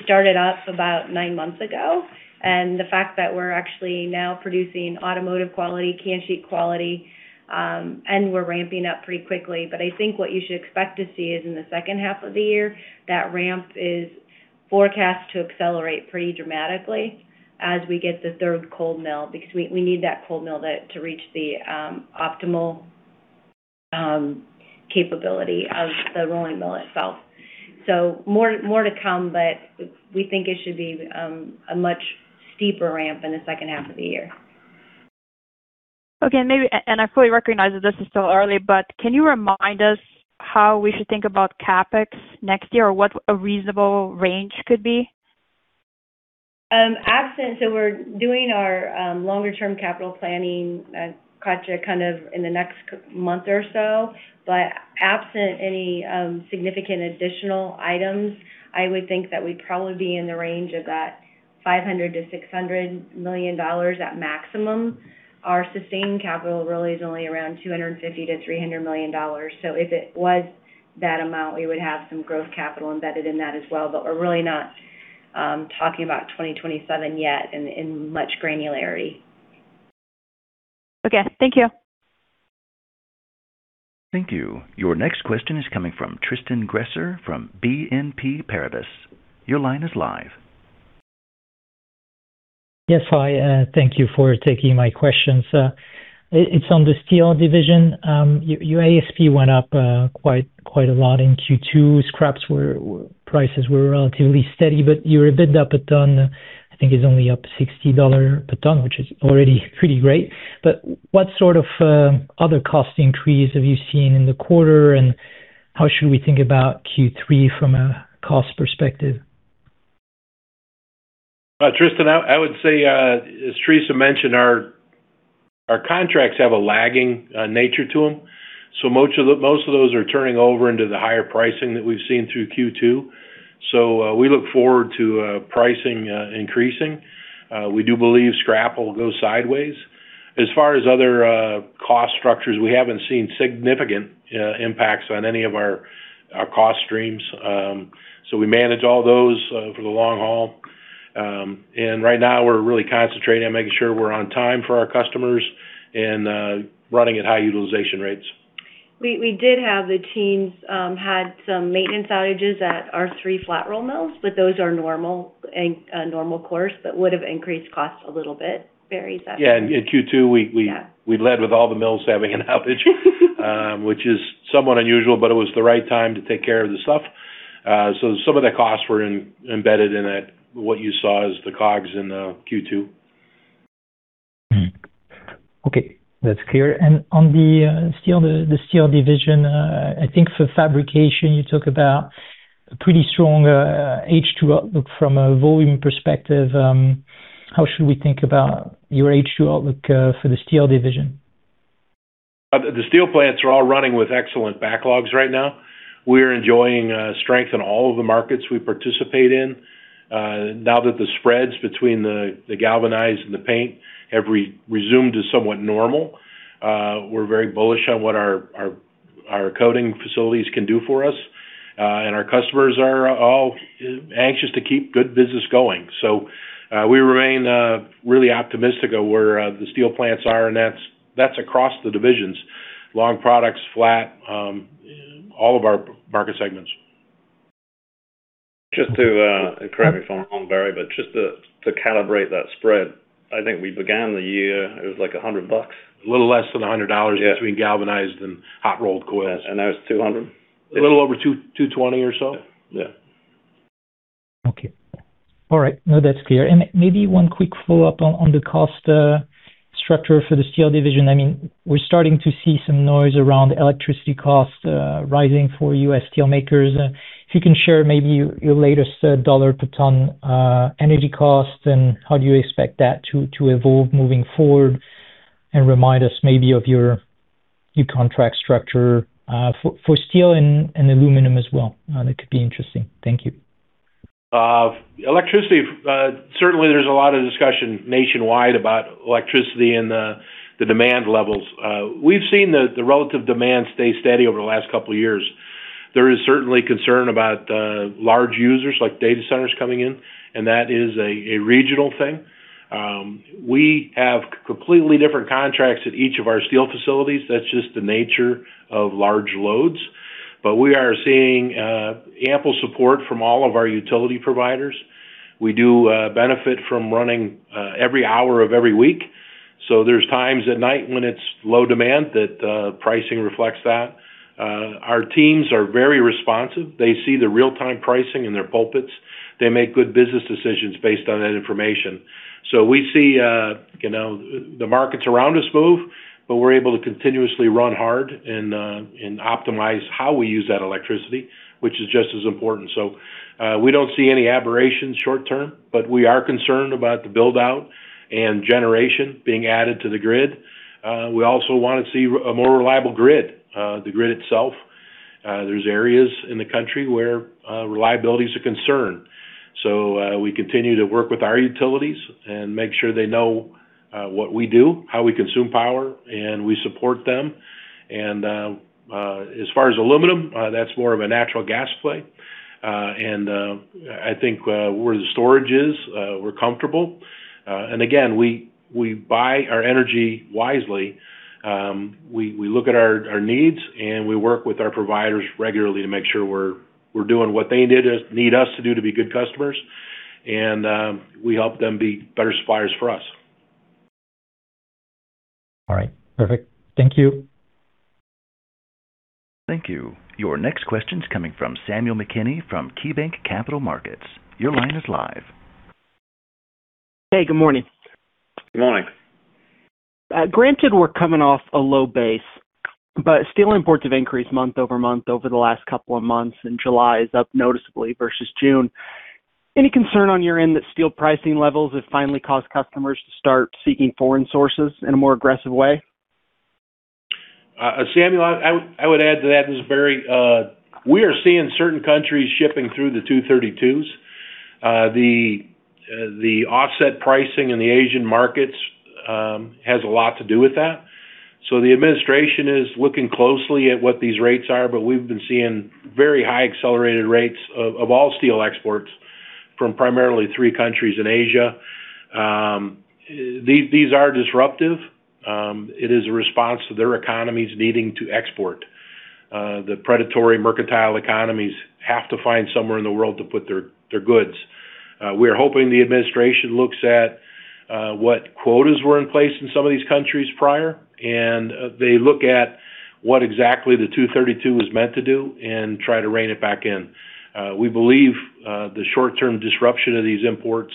started up about nine months ago, and the fact that we're actually now producing automotive quality, can sheet quality, and we're ramping up pretty quickly. I think what you should expect to see is in the second half of the year, that ramp is forecast to accelerate pretty dramatically as we get the third cold mill, because we need that cold mill to reach the optimal capability of the rolling mill itself. More to come, but we think it should be a much steeper ramp in the second half of the year. Okay. I fully recognize that this is still early, but can you remind us how we should think about CapEx next year, or what a reasonable range could be? We're doing our longer term capital planning, Katja, in the next month or so. Absent any significant additional items, I would think that we'd probably be in the range of that $500 million-$600 million at maximum. Our sustained capital really is only around $250 million-$300 million. If it was that amount, we would have some growth capital embedded in that as well. We're really not talking about 2027 yet in much granularity. Okay. Thank you. Thank you. Your next question is coming from Tristan Gresser from BNP Paribas. Your line is live. Yes. Hi, thank you for taking my questions. It's on the steel division. Your ASP went up quite a lot in Q2. Scrap prices were relatively steady, but your EBITDA per ton, I think is only up $60 a ton, which is already pretty great. What sort of other cost increase have you seen in the quarter, and how should we think about Q3 from a cost perspective? Tristan, I would say, as Theresa mentioned, our contracts have a lagging nature to them. Most of those are turning over into the higher pricing that we've seen through Q2. We look forward to pricing increasing. We do believe scrap will go sideways. As far as other cost structures, we haven't seen significant impacts on any of our cost streams. We manage all those for the long haul. Right now, we're really concentrating on making sure we're on time for our customers and running at high utilization rates. The teams had some maintenance outages at our three flat roll mills, but those are normal course, but would have increased cost a little bit, Barry, is that- Yeah, in Q2, we led with all the mills having an outage which is somewhat unusual, but it was the right time to take care of the stuff. Some of the costs were embedded in what you saw as the COGS in the Q2. Okay, that's clear. On the Steel Division, I think for fabrication, you talk about a pretty strong H2 outlook from a volume perspective. How should we think about your H2 outlook for the Steel Division? The steel plants are all running with excellent backlogs right now. We are enjoying strength in all of the markets we participate in. Now that the spreads between the galvanized and the paint have resumed to somewhat normal, we're very bullish on what our coating facilities can do for us. Our customers are all anxious to keep good business going. We remain really optimistic of where the steel plants are, and that's across the divisions, long products, flat, all of our market segments. Correct me if I'm wrong, Barry, but just to calibrate that spread, I think we began the year, it was like $100. A little less than $100 between galvanized and hot rolled coils. Now it's 200? A little over 220 or so. Yeah. Yeah. Okay. All right. No, that's clear. Maybe one quick follow-up on the cost structure for the steel division. We're starting to see some noise around electricity costs rising for U.S. steelmakers. If you can share maybe your latest dollar per ton energy cost, how do you expect that to evolve moving forward? Remind us maybe of your contract structure, for steel and aluminum as well. That could be interesting. Thank you. Electricity, certainly there's a lot of discussion nationwide about electricity and the demand levels. We've seen the relative demand stay steady over the last couple of years. There is certainly concern about large users like data centers coming in, and that is a regional thing. We have completely different contracts at each of our steel facilities. That's just the nature of large loads. We are seeing ample support from all of our utility providers. We do benefit from running every hour of every week, so there's times at night when it's low demand that pricing reflects that. Our teams are very responsive. They see the real-time pricing in their pulpits. They make good business decisions based on that information. We see the markets around us move, but we're able to continuously run hard and optimize how we use that electricity, which is just as important. We don't see any aberrations short-term, but we are concerned about the build-out and generation being added to the grid. We also want to see a more reliable grid. The grid itself, there's areas in the country where reliability is a concern. We continue to work with our utilities and make sure they know what we do, how we consume power, and we support them. As far as aluminum, that's more of a natural gas play. I think where the storage is, we're comfortable. Again, we buy our energy wisely. We look at our needs, and we work with our providers regularly to make sure we're doing what they need us to do to be good customers And we help them be better suppliers for us. All right. Perfect. Thank you. Thank you. Your next question's coming from Samuel McKinney from KeyBanc Capital Markets. Your line is live. Hey, good morning. Good morning. Granted, we're coming off a low base, steel imports have increased month-over-month over the last couple of months, and July is up noticeably versus June. Any concern on your end that steel pricing levels have finally caused customers to start seeking foreign sources in a more aggressive way? Samuel, I would add to that. This Is Barry, we are seeing certain countries shipping through the 232s. The offset pricing in the Asian markets has a lot to do with that. The administration is looking closely at what these rates are, we've been seeing very high accelerated rates of all steel exports from primarily three countries in Asia. These are disruptive. It is a response to their economies needing to export. The predatory mercantile economies have to find somewhere in the world to put their goods. We are hoping the administration looks at what quotas were in place in some of these countries prior, and they look at what exactly the 232 was meant to do and try to rein it back in. We believe the short-term disruption of these imports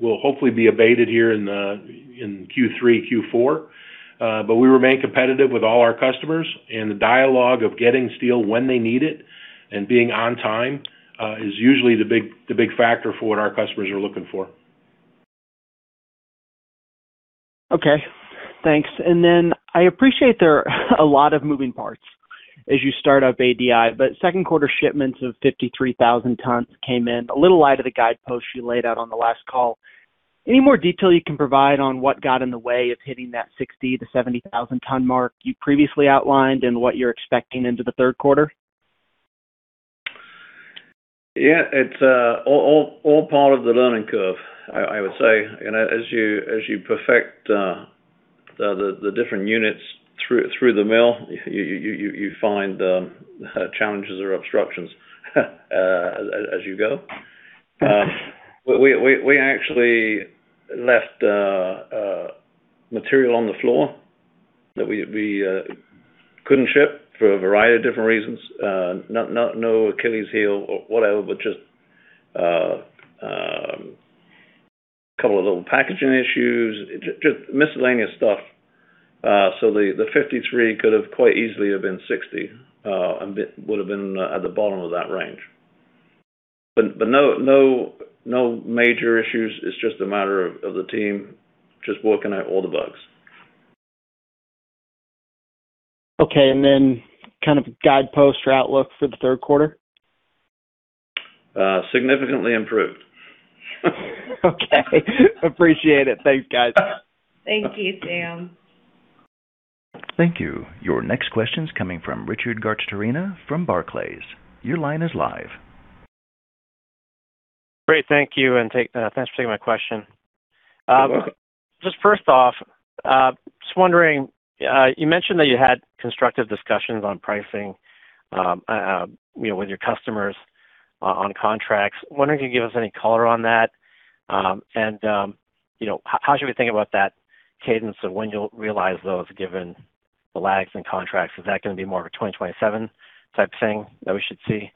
will hopefully be abated here in Q3, Q4. We remain competitive with all our customers, and the dialogue of getting steel when they need it and being on time is usually the big factor for what our customers are looking for. Okay. Thanks. I appreciate there are a lot of moving parts as you start up ADI, but second quarter shipments of 53,000 tons came in, a little light of the guidepost you laid out on the last call. Any more detail you can provide on what got in the way of hitting that 60,000-70,000 ton mark you previously outlined, and what you're expecting into the third quarter? Yeah. It's all part of the learning curve, I would say. As you perfect the different units through the mill, you find challenges or obstructions as you go. We actually left material on the floor that we couldn't ship for a variety of different reasons. No Achilles' heel or whatever, but just a couple of little packaging issues, just miscellaneous stuff. The 53 could have quite easily have been 60, and would've been at the bottom of that range. No major issues. It's just a matter of the team just working out all the bugs. Okay, kind of guidepost or outlook for the third quarter? Significantly improved. Okay. Appreciate it. Thanks, guys. Thank you, Sam. Thank you. Your next question's coming from Richard Garchitorena from Barclays. Your line is live. Great. Thank you. Thanks for taking my question. You're welcome. Just first off, just wondering, you mentioned that you had constructive discussions on pricing, with your customers on contracts. Wondering if you could give us any color on that. How should we think about that cadence of when you'll realize those, given the lags in contracts? Is that going to be more of a 2027 type thing that we should see?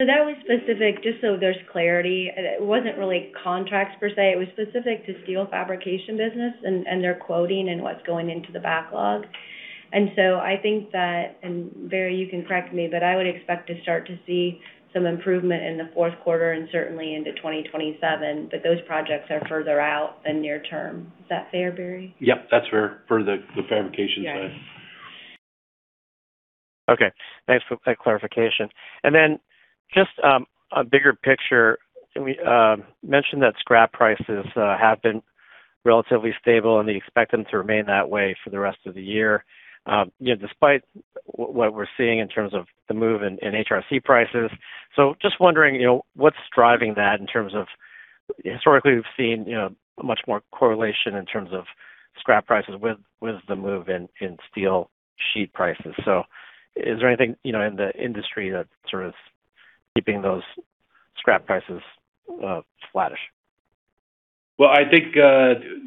That was specific, just so there's clarity. It wasn't really contracts per se. It was specific to steel fabrication business and their quoting and what's going into the backlog. I think that, and Barry, you can correct me, but I would expect to start to see some improvement in the fourth quarter and certainly into 2027. Those projects are further out than near term. Is that fair, Barry? Yep, that's fair for the fabrication side. Yeah. Okay. Thanks for that clarification. Just a bigger picture, you mentioned that scrap prices have been relatively stable, and you expect them to remain that way for the rest of the year. Despite what we're seeing in terms of the move in HRC prices. Just wondering, what's driving that in terms of historically, we've seen much more correlation in terms of scrap prices with the move in steel sheet prices. Is there anything in the industry that's sort of keeping those scrap prices flattish? Well, I think,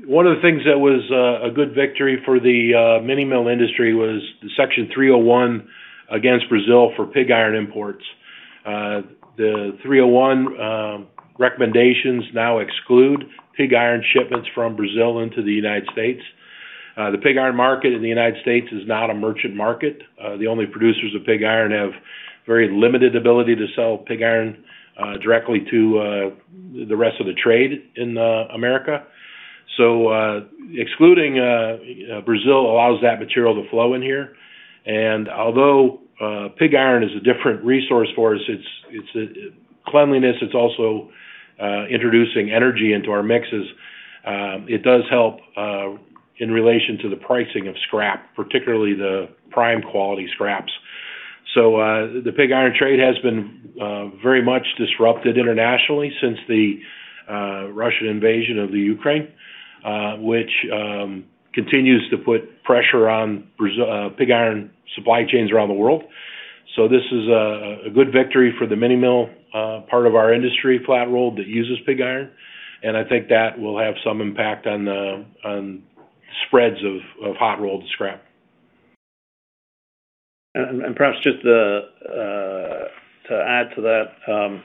one of the things that was a good victory for the mini mill industry was the Section 301 against Brazil for pig iron imports. The 301 recommendations now exclude pig iron shipments from Brazil into the United States. The pig iron market in the United States is not a merchant market. The only producers of pig iron have very limited ability to sell pig iron directly to the rest of the trade in America. Excluding Brazil allows that material to flow in here, and although pig iron is a different resource for us, its cleanliness, it's also introducing energy into our mixes. It does help in relation to the pricing of scrap, particularly the prime quality scraps. The pig iron trade has been very much disrupted internationally since the Russian invasion of Ukraine, which continues to put pressure on pig iron supply chains around the world. This is a good victory for the mini mill part of our industry, flat rolled, that uses pig iron, and I think that will have some impact on spreads of hot rolled scrap. Perhaps just to add to that,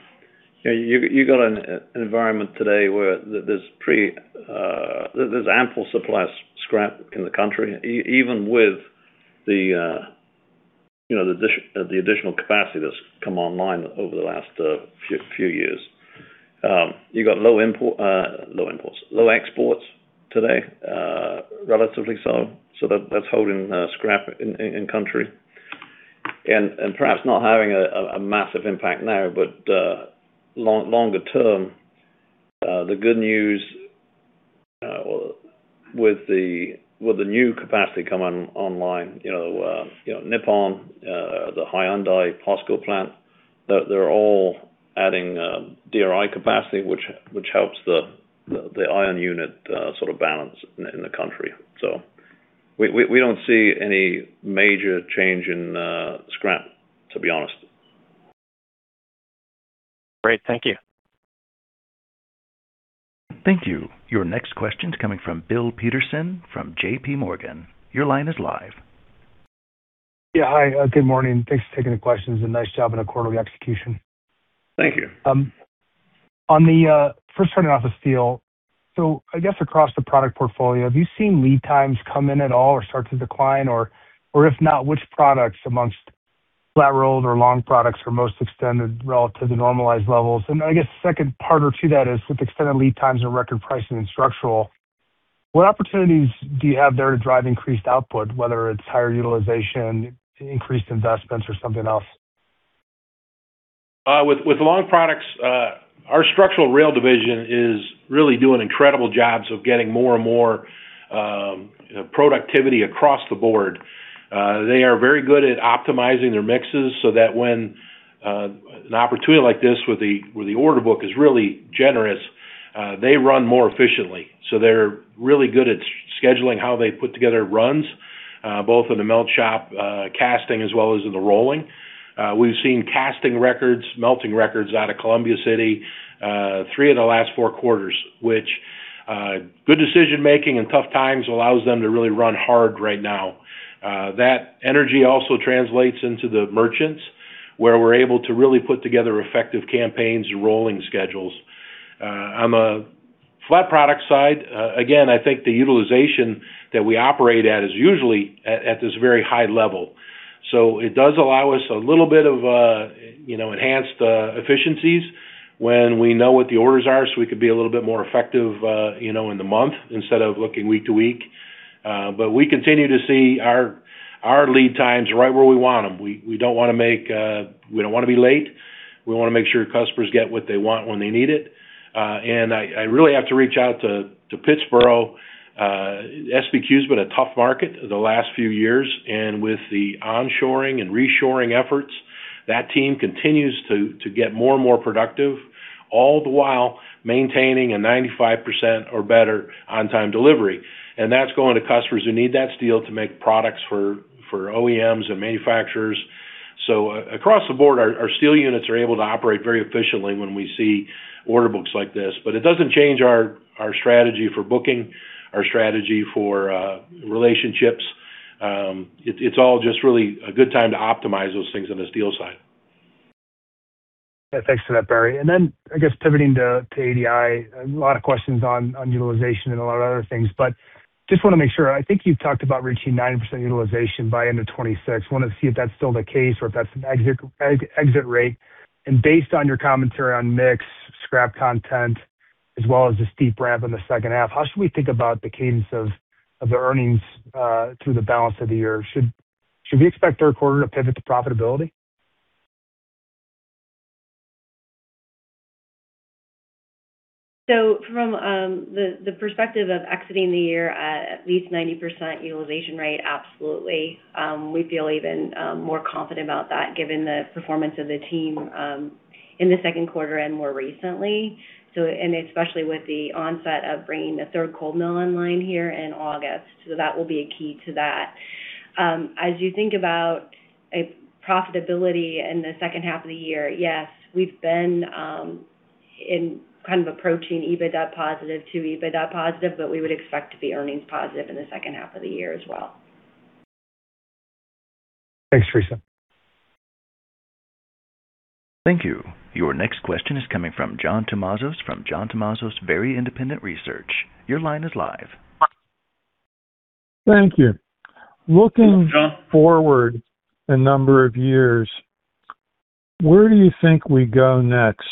you've got an environment today where there's ample supply of scrap in the country, even with the additional capacity that's come online over the last few years. You've got low exports today, relatively so. That's holding scrap in country. Perhaps not having a massive impact now, but longer term, the good news, with the new capacity coming online, Nippon, the Hyundai-POSCO plant, they're all adding DRI capacity, which helps the iron unit sort of balance in the country. We don't see any major change in scrap, to be honest. Great. Thank you. Thank you. Your next question's coming from Bill Peterson from J.P. Morgan. Your line is live. Yeah. Hi, good morning. Thanks for taking the questions and nice job on the quarterly execution. Thank you. First starting off with steel. I guess across the product portfolio, have you seen lead times come in at all or start to decline? If not, which products amongst flat rolled or long products are most extended relative to normalized levels? I guess second part or two that is, with extended lead times and record pricing in structural, what opportunities do you have there to drive increased output, whether it's higher utilization, increased investments, or something else? With long products, our structural rail division is really doing incredible jobs of getting more and more productivity across the board. They are very good at optimizing their mixes so that when an opportunity like this where the order book is really generous, they run more efficiently. They're really good at scheduling how they put together runs, both in the melt shop casting as well as in the rolling. We've seen casting records, melting records out of Columbia City three of the last four quarters, which good decision-making in tough times allows them to really run hard right now. That energy also translates into the merchants, where we're able to really put together effective campaigns and rolling schedules. On the flat product side, again, I think the utilization that we operate at is usually at this very high level. It does allow us a little bit of enhanced efficiencies when we know what the orders are, so we could be a little bit more effective in the month instead of looking week to week. We continue to see our lead times right where we want them. We don't want to be late. We want to make sure customers get what they want when they need it. I really have to reach out to Pittsboro. SBQ has been a tough market the last few years, and with the onshoring and reshoring efforts, that team continues to get more and more productive, all the while maintaining a 95% or better on-time delivery. That's going to customers who need that steel to make products for OEMs and manufacturers. Across the board, our steel units are able to operate very efficiently when we see order books like this. It doesn't change our strategy for booking, our strategy for relationships. It's all just really a good time to optimize those things on the steel side. Thanks for that, Barry. Pivoting to ADI, a lot of questions on utilization and a lot of other things, but just want to make sure. I think you've talked about reaching 90% utilization by end of 2026. Want to see if that's still the case or if that's an exit rate. Based on your commentary on mix, scrap content, as well as the steep ramp in the second half, how should we think about the cadence of the earnings through the balance of the year? Should we expect third quarter to pivot to profitability? From the perspective of exiting the year at least 90% utilization rate, absolutely. We feel even more confident about that given the performance of the team in the second quarter and more recently. Especially with the onset of bringing the third cold mill online here in August. That will be a key to that. As you think about profitability in the second half of the year, yes, we've been in kind of approaching EBITDA positive to EBITDA positive, but we would expect to be earnings positive in the second half of the year as well. Thanks, Theresa. Thank you. Your next question is coming from John Tumazos from John Tumazos Very Independent Research. Your line is live. Thank you. Hey, John. Looking forward a number of years, where do you think we go next?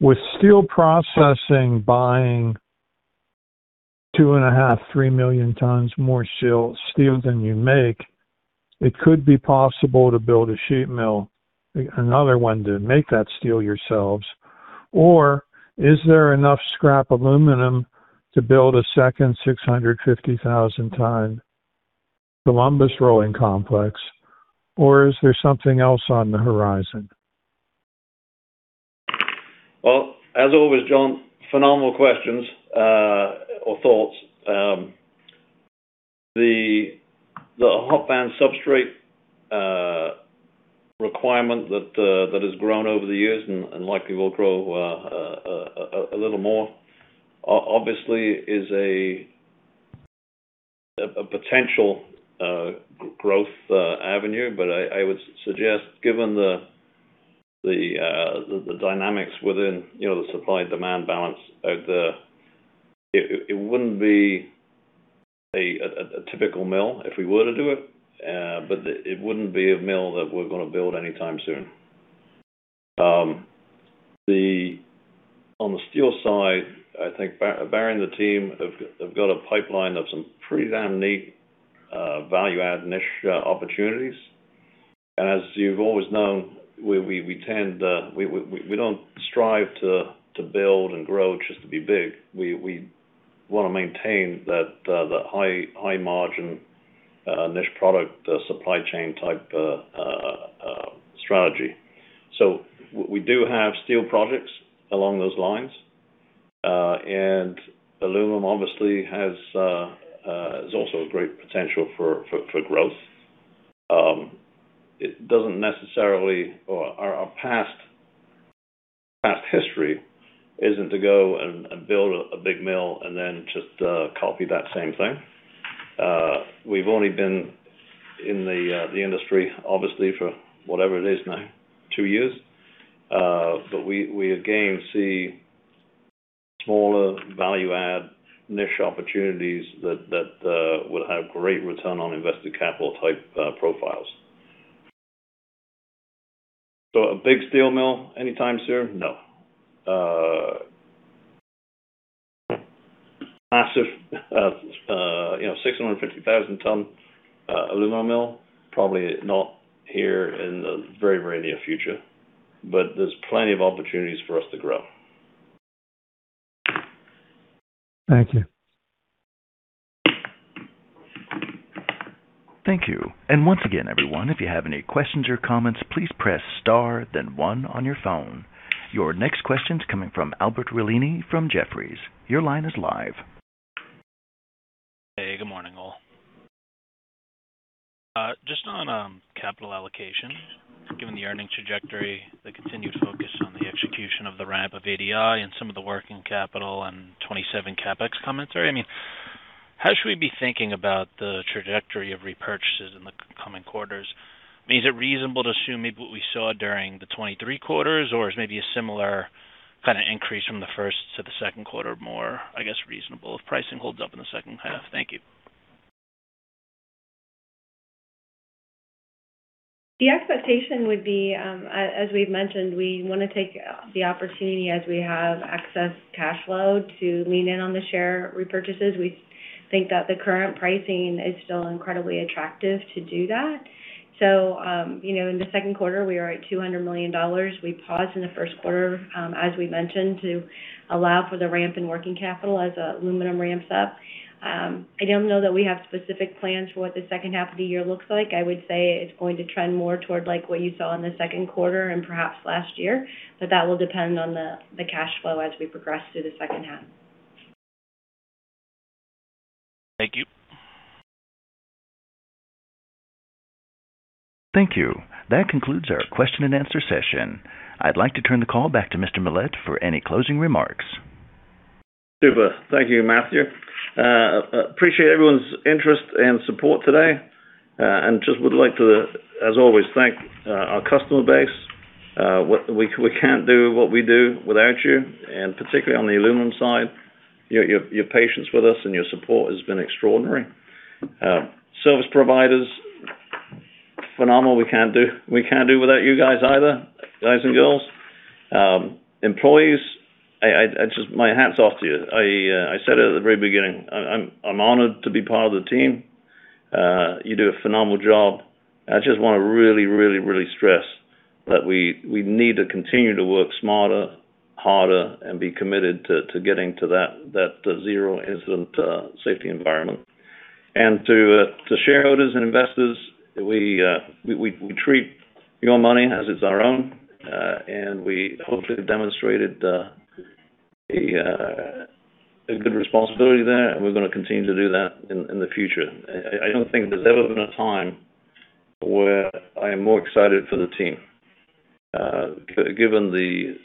With steel processing buying 2.5, 3 million tons more steel than you make, it could be possible to build a sheet mill, another one to make that steel yourselves. Is there enough scrap aluminum to build a second 650,000 ton Columbus Rolling Complex, or is there something else on the horizon? Well, as always, John, phenomenal questions or thoughts. The hot band substrate requirement that has grown over the years and likely will grow a little more, obviously, is a potential growth avenue. I would suggest, given the dynamics within the supply and demand balance out there, it wouldn't be a typical mill if we were to do it, but it wouldn't be a mill that we're going to build anytime soon. On the steel side, I think Barry and the team have got a pipeline of some pretty damn neat value-add niche opportunities. As you've always known, we don't strive to build and grow just to be big. We want to maintain that high margin, niche product, supply chain type strategy. We do have steel projects along those lines. Aluminum obviously has also a great potential for growth. Our past history isn't to go and build a big mill and then just copy that same thing. We've only been in the industry, obviously, for whatever it is now, two years. We again see smaller value add niche opportunities that would have great return on invested capital type profiles. A big steel mill anytime soon? No. Massive, 650,000 ton aluminum mill, probably not here in the very near future. There's plenty of opportunities for us to grow. Thank you. Thank you. Once again, everyone, if you have any questions or comments, please press star then one on your phone. Your next question's coming from Albert Realini from Jefferies. Your line is live. Hey, good morning, all. Just on capital allocation, given the earning trajectory, the continued focus on the execution of the ramp of ADI and some of the working capital and 2027 CapEx commentary, how should we be thinking about the trajectory of repurchases in the coming quarters? I mean, is it reasonable to assume maybe what we saw during the 2023 quarters, or is maybe a similar kind of increase from the first to the second quarter more, I guess, reasonable if pricing holds up in the second half? Thank you. The expectation would be, as we've mentioned, we want to take the opportunity as we have excess cash flow to lean in on the share repurchases. We think that the current pricing is still incredibly attractive to do that. In the second quarter, we are at $200 million. We paused in the first quarter, as we mentioned, to allow for the ramp in working capital as aluminum ramps up. I don't know that we have specific plans for what the second half of the year looks like. I would say it's going to trend more toward what you saw in the second quarter and perhaps last year. That will depend on the cash flow as we progress through the second half. Thank you. Thank you. That concludes our question-and-answer session. I'd like to turn the call back to Mr. Millett for any closing remarks. Super. Thank you, Matthew. Appreciate everyone's interest and support today. Just would like to, as always, thank our customer base. We can't do what we do without you, and particularly on the aluminum side, your patience with us and your support has been extraordinary. Service providers, phenomenal. We can't do without you guys either, guys and girls. Employees, my hat's off to you. I said it at the very beginning, I'm honored to be part of the team. You do a phenomenal job. I just want to really stress that we need to continue to work smarter, harder, and be committed to getting to that zero incident safety environment. To shareholders and investors, we treat your money as it's our own, and we hopefully have demonstrated a good responsibility there, and we're going to continue to do that in the future. I don't think there's ever been a time where I am more excited for the team. Given the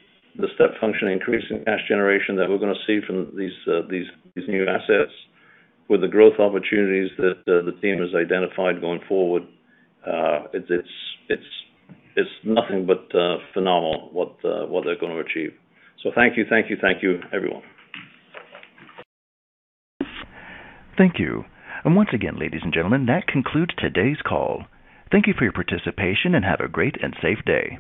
step function increase in cash generation that we're going to see from these new assets with the growth opportunities that the team has identified going forward, it's nothing but phenomenal what they're going to achieve. Thank you, everyone. Thank you. Once again, ladies and gentlemen, that concludes today's call. Thank you for your participation, and have a great and safe day.